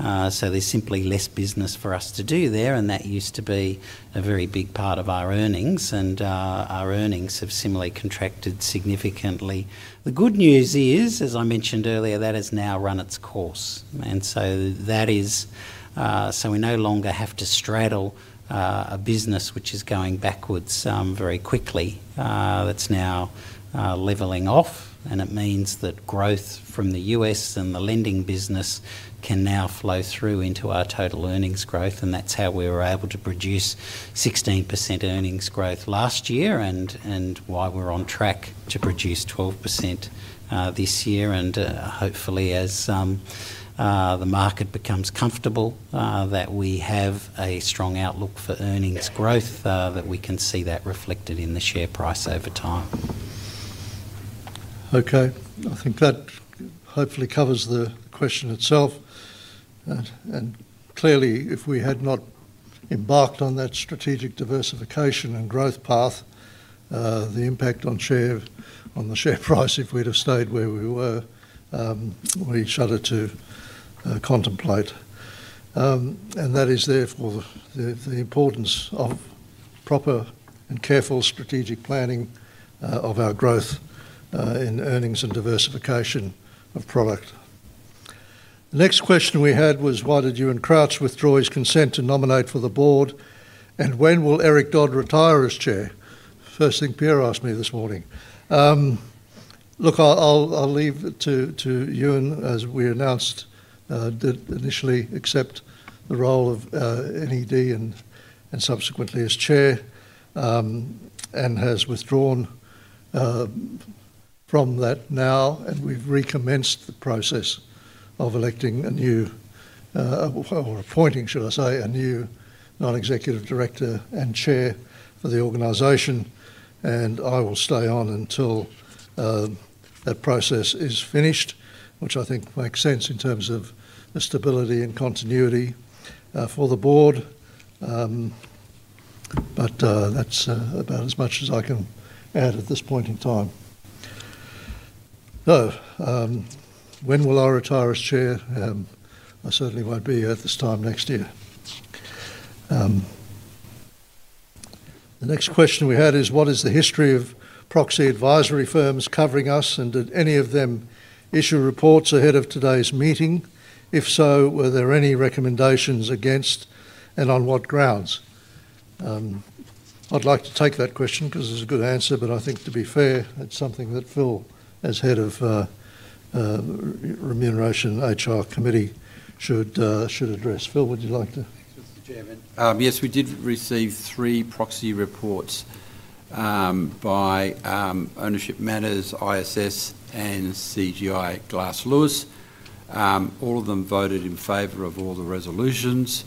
S2: There's simply less business for us to do there, and that used to be a very big part of our earnings, and our earnings have similarly contracted significantly. The good news is, as I mentioned earlier, that has now run its course. That is, we no longer have to straddle a business which is going backwards very quickly. That's now leveling off, and it means that growth from the U.S. and the lending business can now flow through into our total earnings growth, and that's how we were able to produce 16% earnings growth last year and why we're on track to produce 12% this year. Hopefully, as the market becomes comfortable that we have a strong outlook for earnings growth, we can see that reflected in the share price over time.
S1: Okay, I think that hopefully covers the question itself. Clearly, if we had not embarked on that strategic diversification and growth path, the impact on the share price, if we'd have stayed where we were, we shudder to contemplate. That is therefore the importance of proper and careful strategic planning of our growth in earnings and diversification of product. The next question we had was, why did you and Crouch withdraw his consent to nominate for the board? When will Eric Dodd retire as Chair? First thing Pierre asked me this morning. I'll leave it to you, and as we announced, did initially accept the role of Non-Executive Director and subsequently as Chair and has withdrawn from that now. We've recommenced the process of electing a new, or appointing, should I say, a new Non-Executive Director and Chair for the organization. I will stay on until that process is finished, which I think makes sense in terms of the stability and continuity for the board. That's about as much as I can add at this point in time. Oh, when will I retire as Chair? I certainly won't be at this time next year. The next question we had is, what is the history of proxy advisory firms covering us, and did any of them issue reports ahead of today's meeting? If so, were there any recommendations against and on what grounds? I'd like to take that question because it's a good answer, but I think to be fair, it's something that Phil, as Head of the Remuneration and HR Committee, should address. Phil, would you like to?
S5: Thanks, Mr. Chairman. Yes, we did receive three proxy reports by Ownership Matters, ISS, and CGI Glass Lewis. All of them voted in favor of all the resolutions.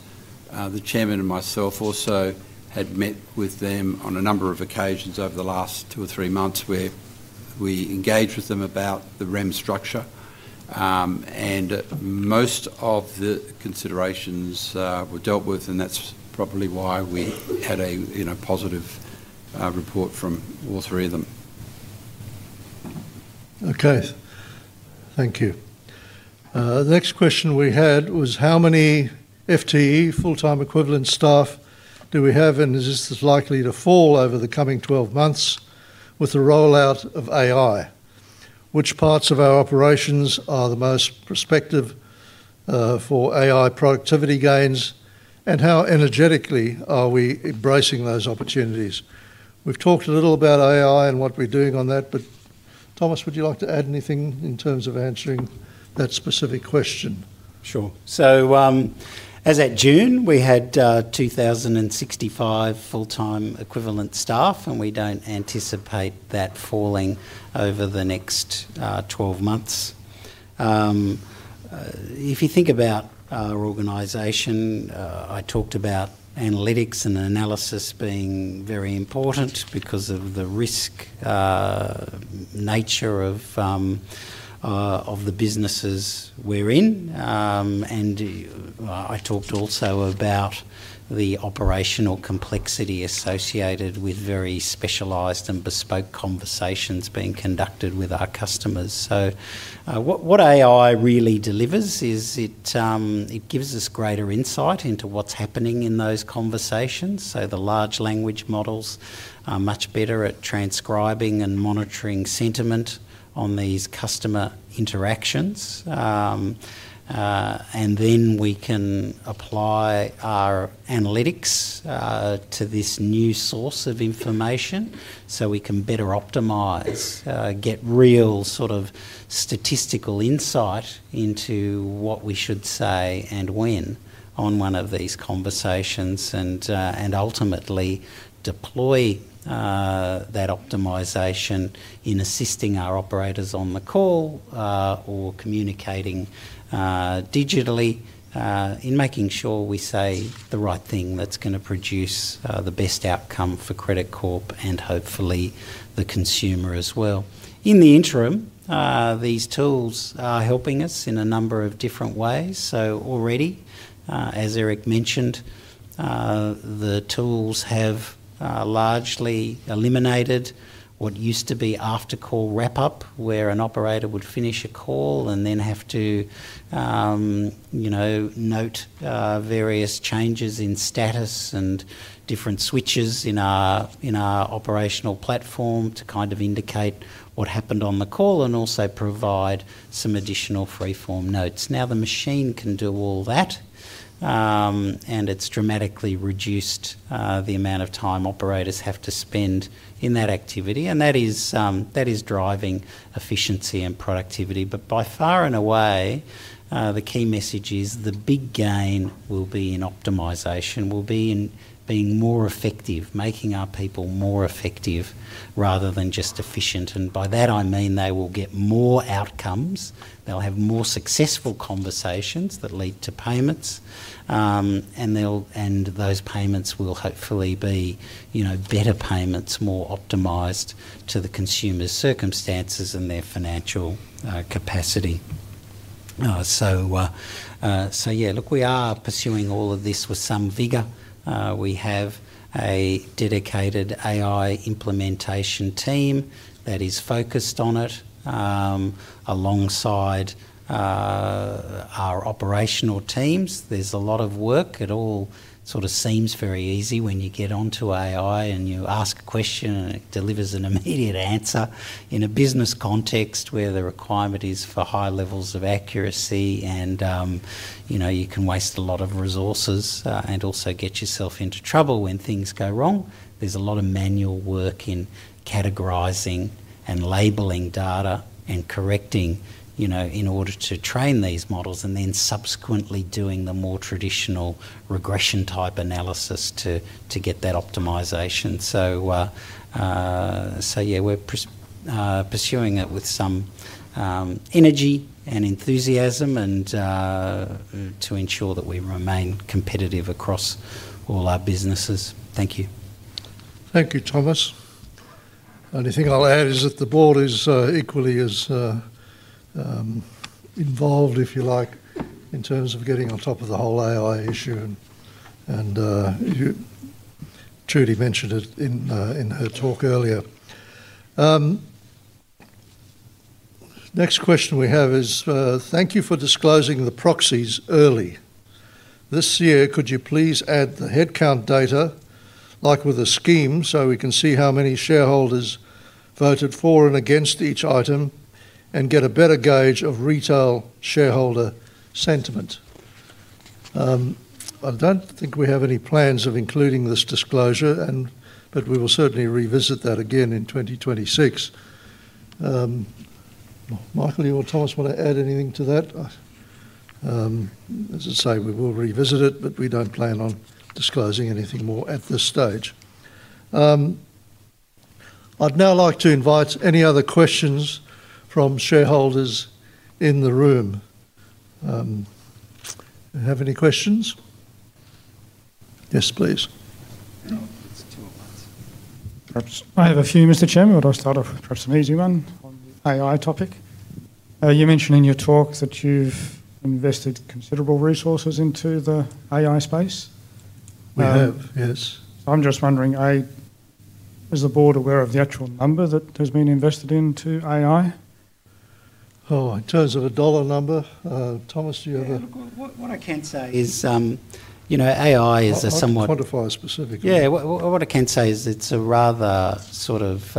S5: The Chairman and myself also had met with them on a number of occasions over the last two or three months where we engaged with them about the REM structure. Most of the considerations were dealt with, and that's probably why we had a positive report from all three of them.
S1: Okay, thank you. The next question we had was, how many FTE, full-time equivalent staff, do we have, and is this likely to fall over the coming 12 months with the rollout of AI? Which parts of our operations are the most prospective for AI productivity gains, and how energetically are we embracing those opportunities? We've talked a little about AI and what we're doing on that, but Thomas, would you like to add anything in terms of answering that specific question?
S2: Sure. As at June, we had 2,065 full-time equivalent staff, and we don't anticipate that falling over the next 12 months. If you think about our organization, I talked about analytics and analysis being very important because of the risk nature of the businesses we're in. I talked also about the operational complexity associated with very specialized and bespoke conversations being conducted with our customers. What AI really delivers is it gives us greater insight into what's happening in those conversations. The large language models are much better at transcribing and monitoring sentiment on these customer interactions. We can apply our analytics to this new source of information so we can better optimize, get real sort of statistical insight into what we should say and when on one of these conversations, and ultimately deploy that optimization in assisting our operators on the call or communicating digitally in making sure we say the right thing that's going to produce the best Credit Corp and hopefully the consumer as well. In the interim, these tools are helping us in a number of different ways. Already, as Eric mentioned, the tools have largely eliminated what used to be after-call wrap-up, where an operator would finish a call and then have to note various changes in status and different switches in our operational platform to indicate what happened on the call and also provide some additional freeform notes. Now the machine can do all that, and it's dramatically reduced the amount of time operators have to spend in that activity. That is driving efficiency and productivity. By far and away, the key message is the big gain will be in optimization, in being more effective, making our people more effective rather than just efficient. By that, I mean they will get more outcomes, they'll have more successful conversations that lead to payments, and those payments will hopefully be better payments, more optimized to the consumer's circumstances and their financial capacity. We are pursuing all of this with some vigor. We have a dedicated AI implementation team that is focused on it alongside our operational teams. There's a lot of work. It all sort of seems very easy when you get onto AI and you ask a question and it delivers an immediate answer. In a business context where the requirement is for high levels of accuracy, you can waste a lot of resources and also get yourself into trouble when things go wrong. There's a lot of manual work in categorizing and labeling data and correcting in order to train these models and then subsequently doing the more traditional regression type analysis to get that optimization. We're pursuing it with some energy and enthusiasm to ensure that we remain competitive across all our businesses. Thank you.
S1: Thank you, Thomas. The only thing I'll add is that the Board is equally as involved, if you like, in terms of getting on top of the whole AI issue. Trudy mentioned it in her talk earlier. Next question we have is, thank you for disclosing the proxies early. This year, could you please add the headcount data, like with a scheme, so we can see how many shareholders voted for and against each item and get a better gauge of retail shareholder sentiment? I don't think we have any plans of including this disclosure, but we will certainly revisit that again in 2026. Michael, you or Thomas want to add anything to that? As I say, we will revisit it, but we don't plan on disclosing anything more at this stage. I'd now like to invite any other questions from shareholders in the room. Do you have any questions?
S9: Yes, please. I have a few. I have a few, Mr. Chairman. I'll start off, perhaps an easy one on the AI topic. You mentioned in your talk that you've invested considerable resources into the AI space.
S1: We have, yes.
S9: I'm just wondering, is the Board aware of the actual number that has been invested into AI?
S1: In terms of a dollar number, Thomas, do you have a?
S2: What I can say is, you know, AI is a somewhat.
S9: Can you quantify specifically?
S2: Yeah, what I can say is it's a rather sort of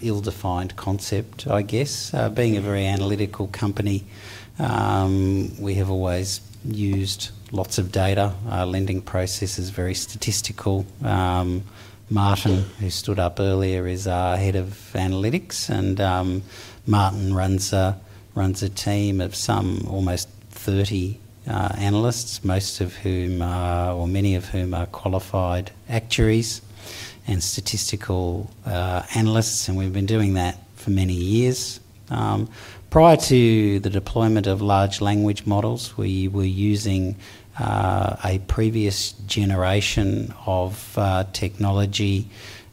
S2: ill-defined concept, I guess. Being a very analytical company, we have always used lots of data. Our lending process is very statistical. Martin, who stood up earlier, is our Head of Analytics, and Martin runs a team of some almost 30 analysts, most of whom, or many of whom, are qualified actuaries and statistical analysts. We've been doing that for many years. Prior to the deployment of large language models, we were using a previous generation of technology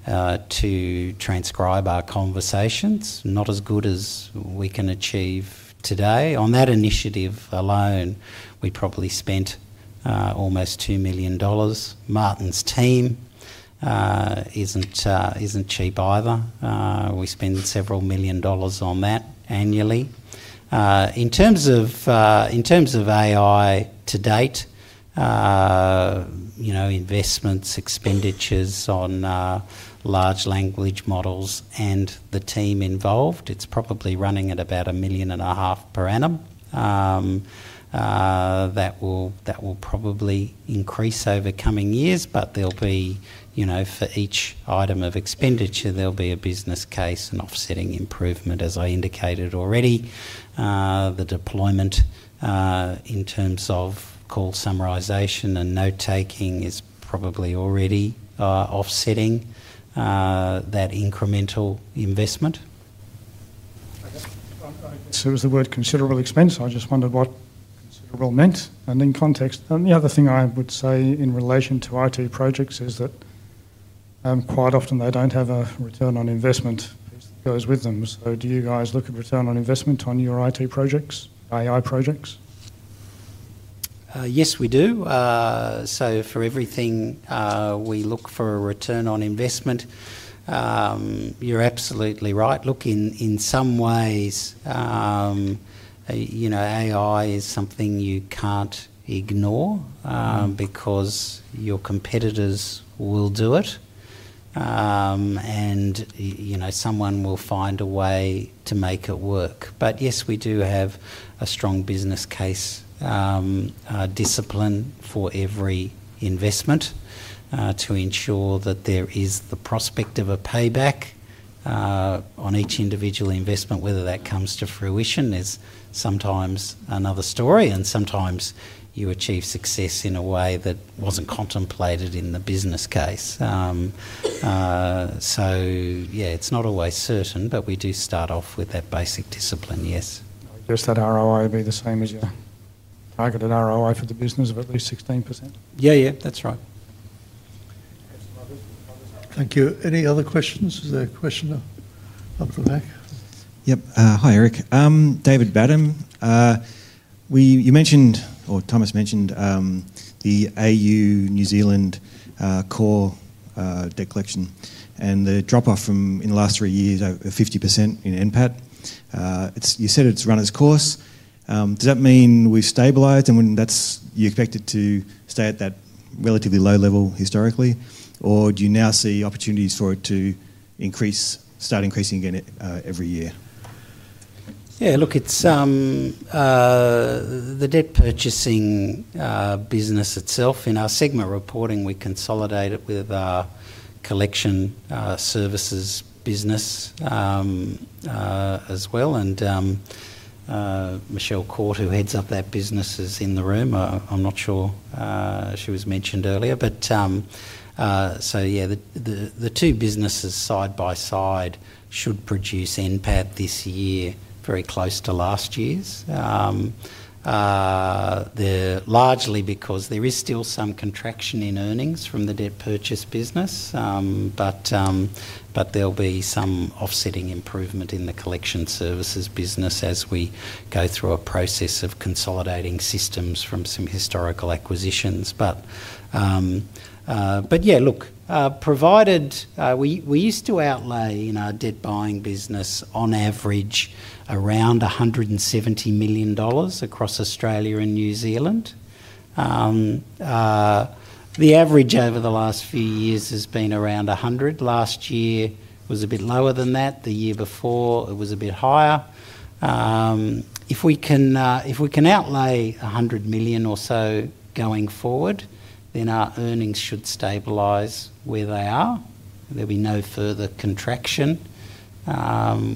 S2: to transcribe our conversations, not as good as we can achieve today. On that initiative alone, we probably spent almost $2 million. Martin's team isn't cheap either. We spend several million dollars on that annually. In terms of AI to date, you know, investments, expenditures on large language models, and the team involved, it's probably running at about $1 million. A half per annum. That will probably increase over coming years, but there'll be, you know, for each item of expenditure, there'll be a business case and offsetting improvement. As I indicated already, the deployment, in terms of call summarization and note-taking, is probably already offsetting that incremental investment
S9: Is the word considerable expense? I just wondered what considerable meant in context. The other thing I would say in relation to IT projects is that, quite often, they don't have a return on investment piece that goes with them. Do you guys look at return on investment on your IT projects, AI projects?
S2: Yes, we do. For everything, we look for a return on investment. You're absolutely right. In some ways, you know, AI is something you can't ignore, because your competitors will do it, and, you know, someone will find a way to make it work. Yes, we do have a strong business case discipline for every investment, to ensure that there is the prospect of a payback on each individual investment. Whether that comes to fruition is sometimes another story, and sometimes you achieve success in a way that wasn't contemplated in the business case. It's not always certain, but we do start off with that basic discipline, yes.
S9: I guess that ROI will be the same as your targeted ROI for the business of at least 16%.
S2: Yeah, yeah, that's right.
S1: Thank you. Any other questions? Is there a question up the back?
S10: Yep. Hi, Eric. David Badham. You mentioned, or Thomas mentioned, the AU New Zealand core debt collection and the drop-off in the last three years of 50% in NPAT. You said it's run its course. Does that mean we've stabilized and you expect it to stay at that relatively low level historically, or do you now see opportunities for it to increase, start increasing again every year?
S2: Yeah, look, the debt purchasing business itself in our segment reporting, we consolidate it with our collection services business as well. Michelle Court, who heads up that business, is in the room. I'm not sure she was mentioned earlier. The two businesses side by side should produce NPAT this year very close to last year's. They're largely because there is still some contraction in earnings from the debt purchase business, but there'll be some offsetting improvement in the collection services business as we go through a process of consolidating systems from some historical acquisitions. Provided we used to outlay in our debt-buying business, on average, around $170 million across Australia and New Zealand. The average over the last few years has been around $100 million. Last year was a bit lower than that. The year before, it was a bit higher. If we can outlay $100 million or so going forward, then our earnings should stabilize where they are. There'll be no further contraction.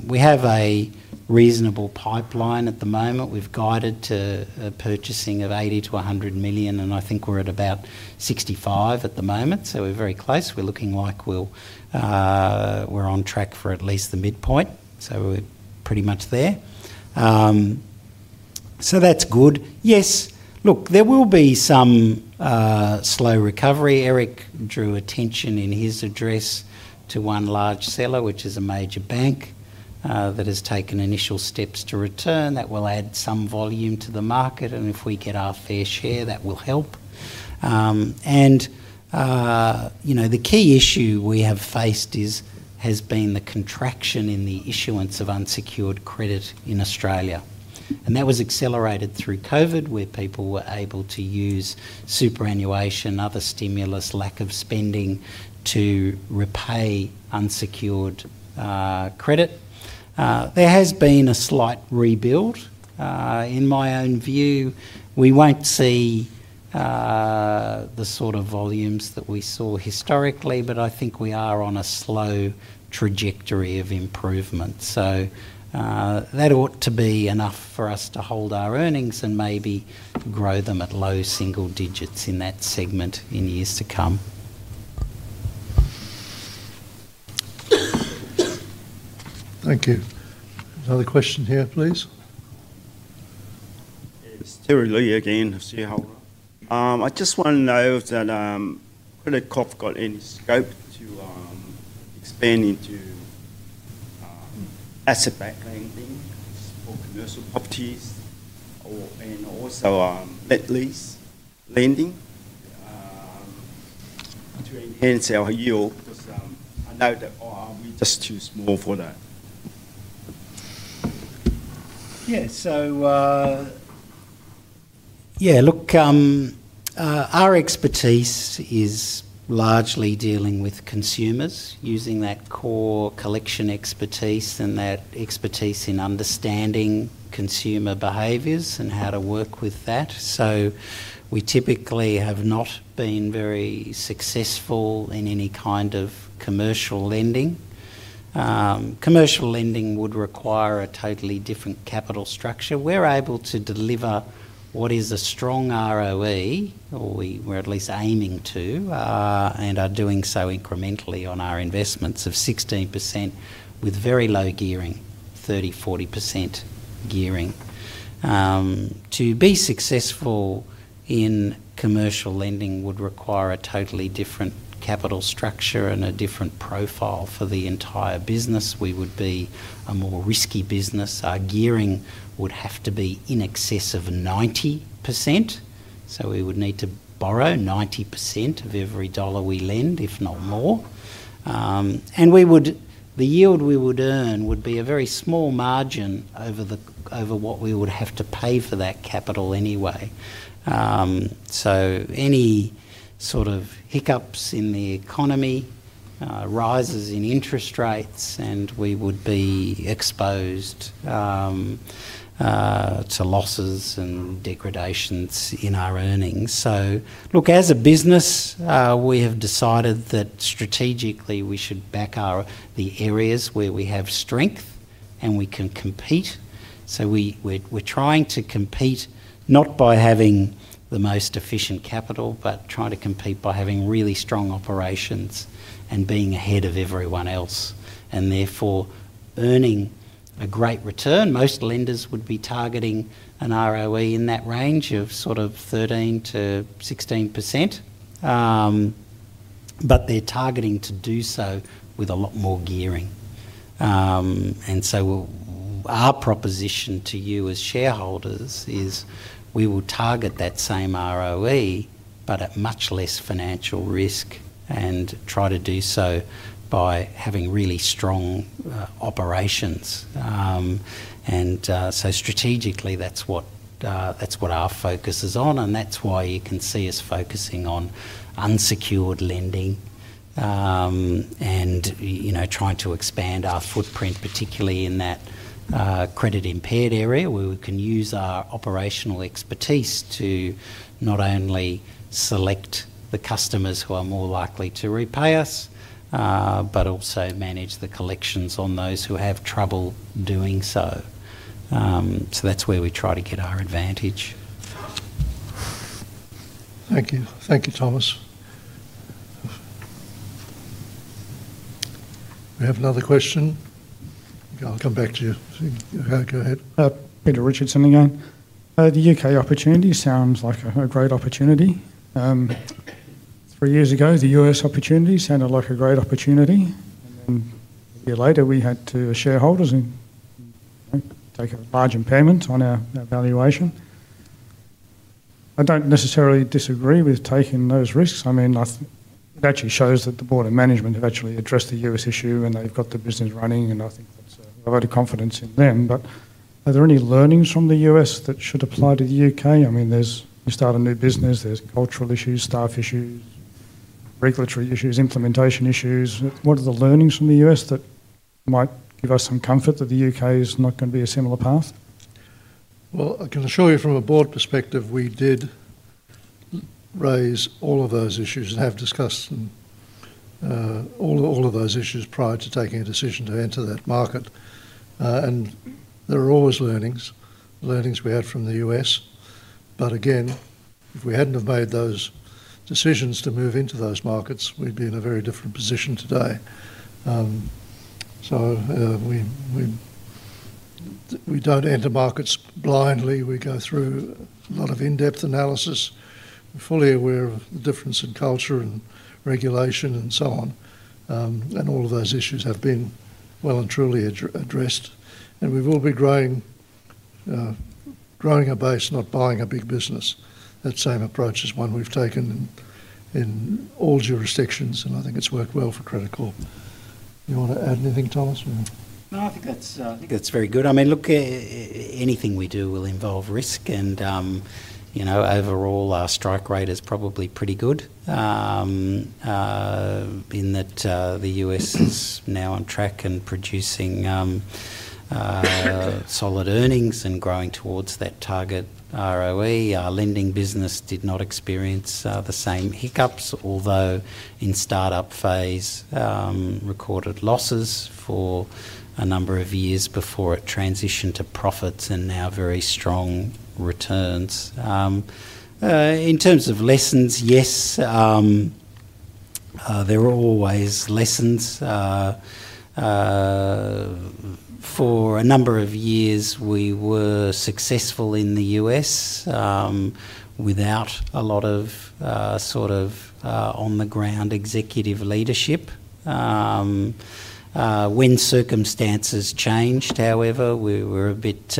S2: We have a reasonable pipeline at the moment. We've guided to a purchasing of $80 million-$100 million, and I think we're at about $65 million at the moment. We're very close. We're looking like we're on track for at least the midpoint. We're pretty much there. That's good. Yes, there will be some slow recovery. Eric drew attention in his address to one large seller, which is a major bank, that has taken initial steps to return. That will add some volume to the market, and if we get our fair share, that will help. The key issue we have faced has been the contraction in the issuance of unsecured credit in Australia. That was accelerated through COVID, where people were able to use superannuation, other stimulus, lack of spending to repay unsecured credit. There has been a slight rebuild. In my own view, we won't see the sort of volumes that we saw historically, but I think we are on a slow trajectory of improvement. That ought to be enough for us to hold our earnings and maybe grow them at low single digits in that segment in years to come.
S1: Thank you. There's another question here, please.
S6: It's Terry Lee again of shareholder. I just want to know if Credit Corp got any scope to expand into asset-backed lending for commercial properties and also let-lease lending to enhance our yield because I know that we're just too small for that.
S2: Yeah, look, our expertise is largely dealing with consumers, using that core collection expertise and that expertise in understanding consumer behaviors and how to work with that. We typically have not been very successful in any kind of commercial lending. Commercial lending would require a totally different capital structure. We're able to deliver what is a strong ROE, or we're at least aiming to, and are doing so incrementally on our investments of 16% with very low gearing, 30%-40% gearing. To be successful in commercial lending would require a totally different capital structure and a different profile for the entire business. We would be a more risky business. Our gearing would have to be in excess of 90%. We would need to borrow 90% of every dollar we lend, if not more, and the yield we would earn would be a very small margin over what we would have to pay for that capital anyway. Any sort of hiccups in the economy, rises in interest rates, and we would be exposed to losses and degradations in our earnings. As a business, we have decided that strategically we should back the areas where we have strength and we can compete. We're trying to compete not by having the most efficient capital, but try to compete by having really strong operations and being ahead of everyone else, and therefore, earning a great return. Most lenders would be targeting an ROE in that range of sort of 13%-16%, but they're targeting to do so with a lot more gearing. Our proposition to you as shareholders is we will target that same ROE but at much less financial risk and try to do so by having really strong operations. Strategically, that's what our focus is on. That's why you can see us focusing on unsecured lending, and trying to expand our footprint, particularly in that credit-impaired area where we can use our operational expertise to not only select the customers who are more likely to repay us, but also manage the collections on those who have trouble doing so. That's where we try to get our advantage.
S1: Thank you. Thank you, Thomas. We have another question. I'll come back to you. Go ahead.
S3: Peter Richardson again. The UK opportunity sounds like a great opportunity. Three years ago, the US opportunity sounded like a great opportunity. A year later, we had to, as shareholders, take a large impairment on our valuation. I don't necessarily disagree with taking those risks. I think it actually shows that the Board of Management have actually addressed the US issue, and they've got the business running. I think that's, I've got a lot of confidence in them. Are there any learnings from the US that should apply to the UK? I mean, you start a new business. There are cultural issues, staff issues, regulatory issues, implementation issues. What are the learnings from the US that might give us some comfort that the UK is not going to be a similar path?
S1: I can assure you from a Board perspective, we did raise all of those issues and have discussed all of those issues prior to taking a decision to enter that market. There are always learnings, learnings we had from the U.S. If we hadn't made those decisions to move into those markets, we'd be in a very different position today. We don't enter markets blindly. We go through a lot of in-depth analysis. We're fully aware of the difference in culture and regulation and so on. All of those issues have been well and truly addressed. We will be growing, growing a base, not buying a big business. That same approach is one we've taken in all jurisdictions, and I think it's worked for Credit Corp. you want to add anything, Thomas?
S2: No, I think that's very good. I mean, look, anything we do will involve risk. Overall, our strike rate is probably pretty good, in that the US is now on track and producing solid earnings and growing towards that target ROE. Our lending business did not experience the same hiccups, although in startup phase, recorded losses for a number of years before it transitioned to profits and now very strong returns. In terms of lessons, yes, there are always lessons. For a number of years, we were successful in the US without a lot of on-the-ground executive leadership. When circumstances changed, however, we weren't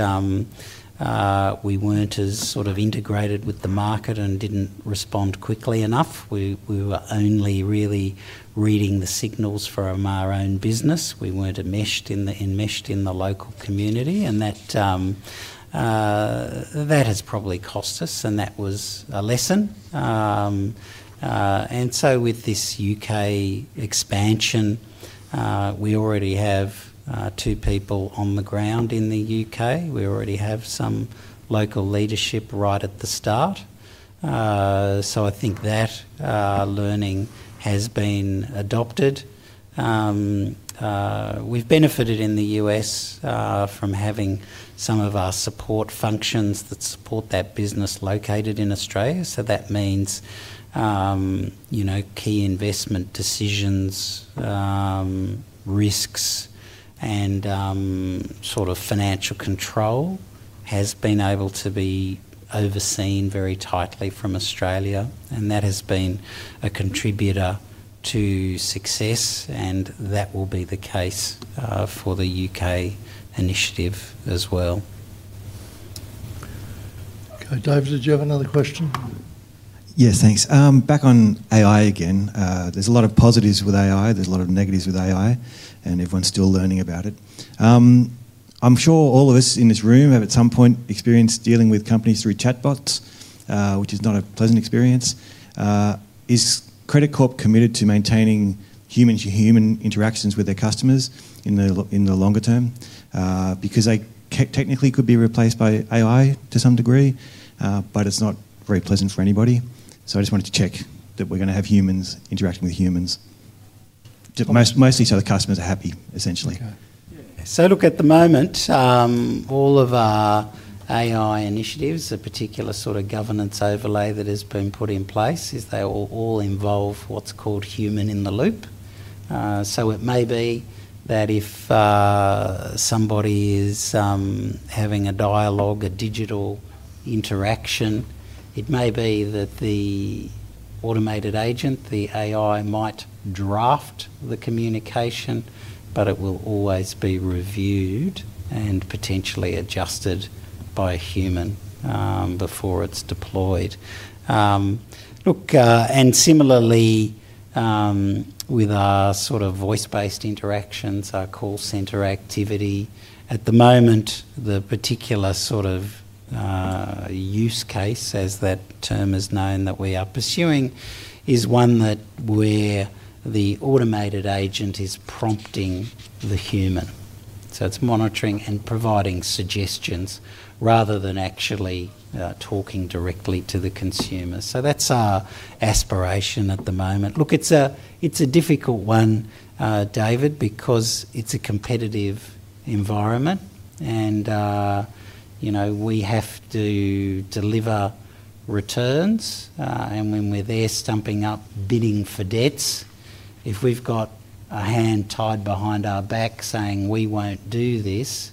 S2: as integrated with the market and didn't respond quickly enough. We were only really reading the signals from our own business. We weren't enmeshed in the local community. That has probably cost us, and that was a lesson. With this UK expansion, we already have two people on the ground in the UK. We already have some local leadership right at the start. I think that learning has been adopted. We've benefited in the US from having some of our support functions that support that business located in Australia. That means key investment decisions, risks, and financial control have been able to be overseen very tightly from Australia. That has been a contributor to success, and that will be the case for the UK initiative as well.
S1: Okay. David, did you have another question?
S10: Yeah, thanks. Back on AI again, there's a lot of positives with AI. There's a lot of negatives with AI, and everyone's still learning about it. I'm sure all of us in this room have at some point experienced dealing with companies through chatbots, which is not a pleasant Credit Corp committed to maintaining human-to-human interactions with their customers in the longer term, because they technically could be replaced by AI to some degree? It's not very pleasant for anybody. I just wanted to check that we're going to have humans interacting with humans, mostly so the customers are happy, essentially. Okay.
S2: Yeah. So look, at the moment, all of our AI initiatives, a particular sort of governance overlay that has been put in place, is they all involve what's called human in the loop. It may be that if somebody is having a dialogue, a digital interaction, it may be that the automated agent, the AI, might draft the communication, but it will always be reviewed and potentially adjusted by a human before it's deployed. Look, and similarly, with our sort of voice-based interactions, our call center activity, at the moment, the particular sort of use case, as that term is known, that we are pursuing is one where the automated agent is prompting the human. It's monitoring and providing suggestions rather than actually talking directly to the consumer. That's our aspiration at the moment. It's a difficult one, David, because it's a competitive environment, and, you know, we have to deliver returns. When we're there stumping up bidding for debts, if we've got a hand tied behind our back saying, "We won't do this,"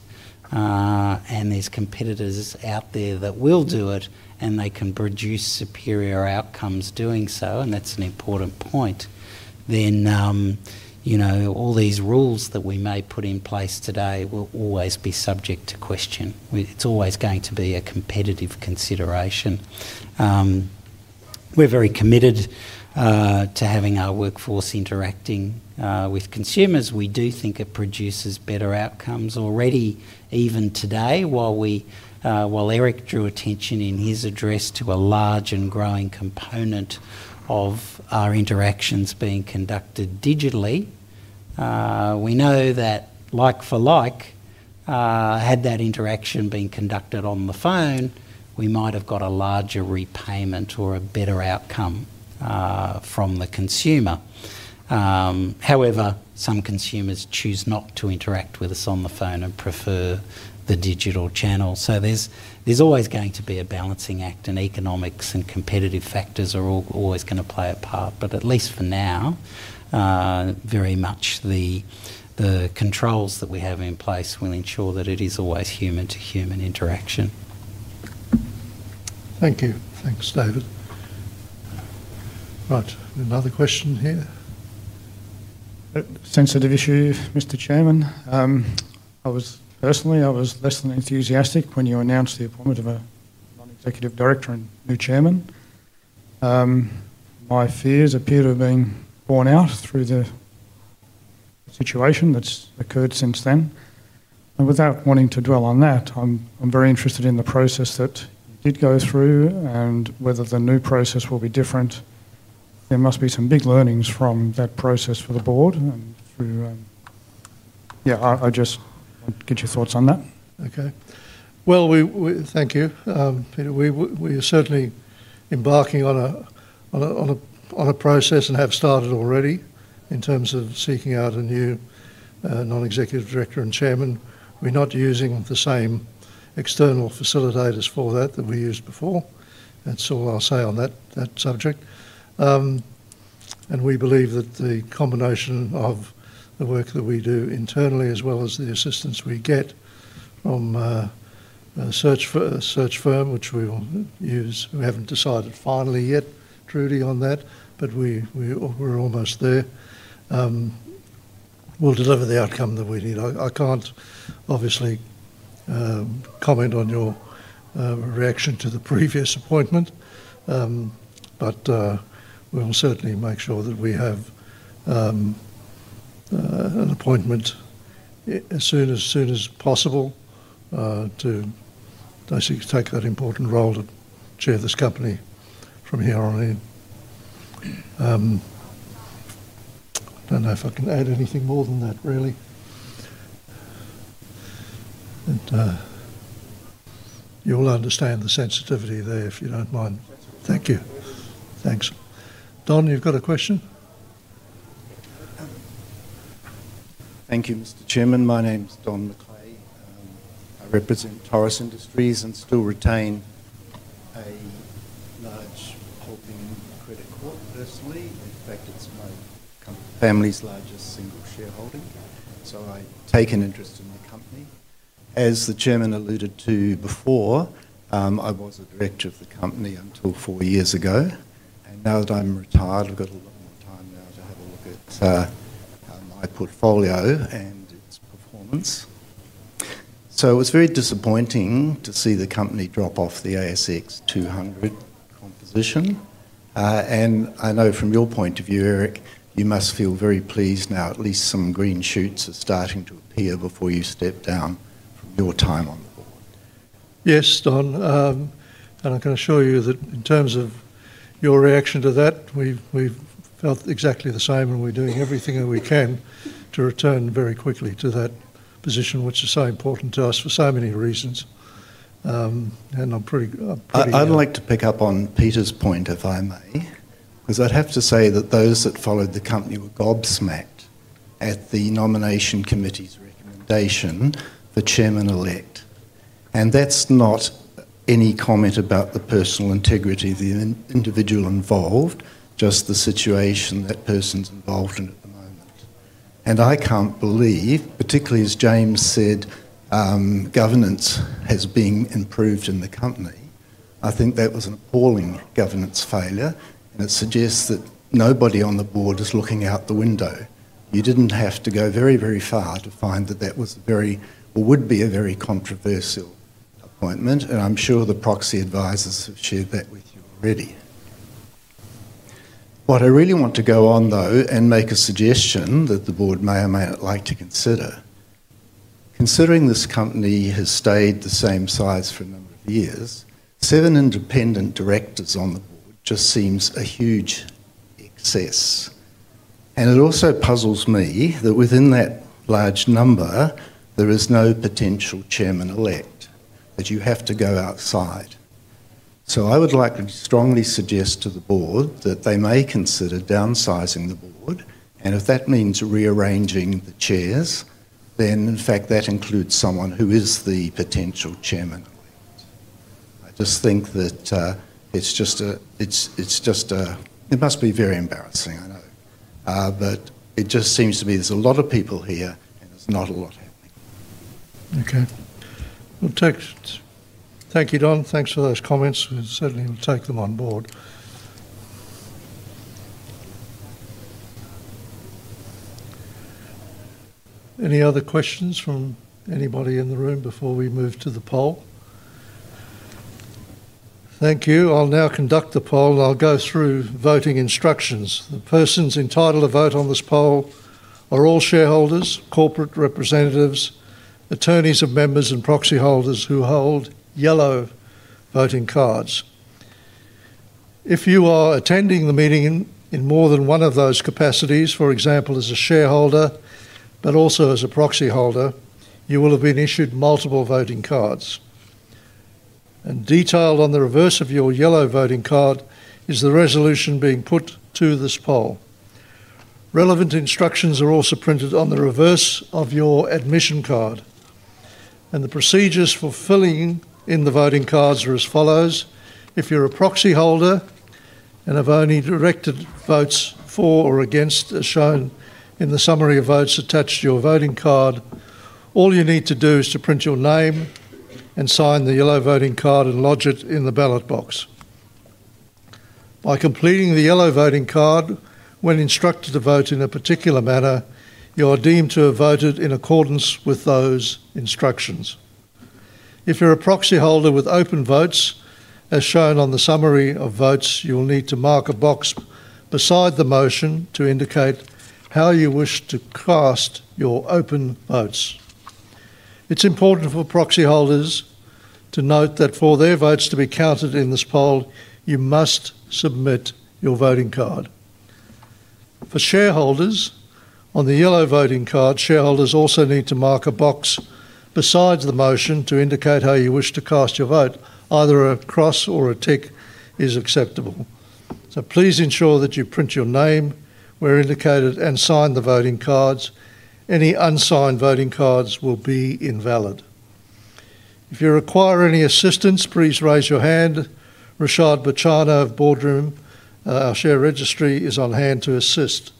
S2: and there's competitors out there that will do it, and they can produce superior outcomes doing so, and that's an important point, then, you know, all these rules that we may put in place today will always be subject to question. It's always going to be a competitive consideration. We're very committed to having our workforce interacting with consumers. We do think it produces better outcomes already even today. While we, while Eric drew attention in his address to a large and growing component of our interactions being conducted digitally, we know that like for like, had that interaction been conducted on the phone, we might have got a larger repayment or a better outcome from the consumer. However, some consumers choose not to interact with us on the phone and prefer the digital channel. There's always going to be a balancing act, and economics and competitive factors are always going to play a part. At least for now, very much the controls that we have in place will ensure that it is always human-to-human interaction.
S1: Thank you. Thanks, David. Right. Another question here.
S3: A sensitive issue, Mr. Chairman. I was personally less than enthusiastic when you announced the appointment of a Non-Executive Director and new Chairman. My fears appear to have been borne out through the situation that's occurred since then. Without wanting to dwell on that, I'm very interested in the process that you did go through and whether the new process will be different. There must be some big learnings from that process for the Board. I just want to get your thoughts on that.
S1: Okay. Thank you, Peter. We are certainly embarking on a process and have started already in terms of seeking out a new Non-Executive Director and Chairman. We're not using the same external facilitators for that that we used before. That's all I'll say on that subject. We believe that the combination of the work that we do internally as well as the assistance we get from a search firm, which we will use, we haven't decided finally yet, Trudy, on that, but we're almost there, will deliver the outcome that we need. I can't obviously comment on your reaction to the previous appointment, but we will certainly make sure that we have an appointment as soon as possible to basically take that important role to chair this company from here on in. I don't know if I can add anything more than that, really. You'll understand the sensitivity there if you don't mind.
S3: That's all right.
S1: Thank you. Thanks. Don, you've got a question?
S11: Thank you, Mr. Chairman. My name's Don McLea. I represent Torres Industries and still retain a large holding in Credit Corp personally. In fact, it's my company's largest single shareholding. I take an interest in the company. As the Chairman alluded to before, I was a Director of the company until four years ago. Now that I'm retired, I've got a lot more time to have a look at my portfolio and its performance. It was very disappointing to see the company drop off the ASX 200 composition. I know from your point of view, Eric, you must feel very pleased now. At least some green shoots are starting to appear before you step down from your time on the Board.
S1: Yes, Don. I can assure you that in terms of your reaction to that, we've felt exactly the same, and we're doing everything that we can to return very quickly to that position, which is so important to us for so many reasons. I'm pretty, I'm pretty.
S12: I'd like to pick up on Peter's point, if I may, because I'd have to say that those that followed the company were gobsmacked at the Nomination Committee's recommendation for chairman-elect. That's not any comment about the personal integrity of the individual involved, just the situation that person's involved in at the moment. I can't believe, particularly as James said, governance has been improved in the company. I think that was an appalling governance failure, and it suggests that nobody on the board is looking out the window. You didn't have to go very, very far to find that that was or would be a very controversial appointment. I'm sure the proxy advisors have shared that with you already. I really want to go on, though, and make a suggestion that the board may or may not like to consider. Considering this company has stayed the same size for a number of years, seven independent directors on the board just seem a huge excess. It also puzzles me that within that large number, there is no potential chairman-elect, that you have to go outside. I would like to strongly suggest to the board that they may consider downsizing the board. If that means rearranging the chairs, then, in fact, that includes someone who is the potential chairman-elect. I just think that it must be very embarrassing, I know. It just seems to me there's a lot of people here, and there's not a lot happening.
S1: Okay. Thank you, Don. Thanks for those comments. We certainly will take them on board. Any other questions from anybody in the room before we move to the poll? Thank you. I'll now conduct the poll. I'll go through voting instructions. The persons entitled to vote on this poll are all shareholders, corporate representatives, attorneys of members, and proxy holders who hold yellow voting cards. If you are attending the meeting in more than one of those capacities, for example, as a shareholder but also as a proxy holder, you will have been issued multiple voting cards. Detailed on the reverse of your yellow voting card is the resolution being put to this poll. Relevant instructions are also printed on the reverse of your admission card. The procedures for filling in the voting cards are as follows. If you're a proxy holder and have only directed votes for or against as shown in the summary of votes attached to your voting card, all you need to do is print your name and sign the yellow voting card and lodge it in the ballot box. By completing the yellow voting card, when instructed to vote in a particular manner, you are deemed to have voted in accordance with those instructions. If you're a proxy holder with open votes, as shown on the summary of votes, you will need to mark a box beside the motion to indicate how you wish to cast your open votes. It's important for proxy holders to note that for their votes to be counted in this poll, you must submit your voting card. For shareholders, on the yellow voting card, shareholders also need to mark a box beside the motion to indicate how you wish to cast your vote. Either a cross or a tick is acceptable. Please ensure that you print your name where indicated and sign the voting cards. Any unsigned voting cards will be invalid. If you require any assistance, please raise your hand. Rashad Bacciano of Boardroom, our share registry, is on hand to assist.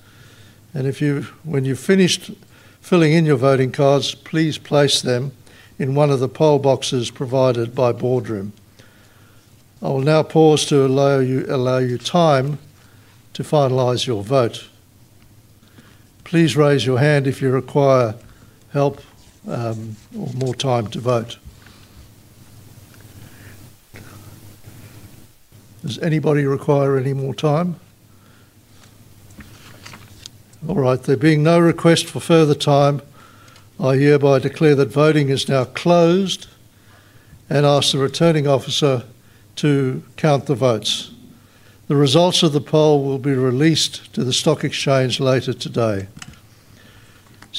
S1: When you've finished filling in your voting cards, please place them in one of the poll boxes provided by Boardroom. I will now pause to allow you time to finalize your vote. Please raise your hand if you require help or more time to vote. Does anybody require any more time? All right. There being no request for further time, I hereby declare that voting is now closed and ask the returning officer to count the votes. The results of the poll will be released to the stock exchange later today.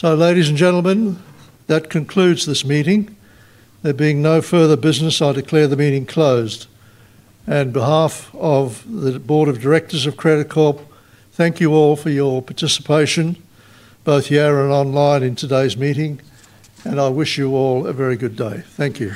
S1: Ladies and gentlemen, that concludes this meeting. There being no further business, I declare the meeting closed. On behalf of the Board of of Credit Corp, thank you all for your participation, both here and online in today's meeting. I wish you all a very good day. Thank you.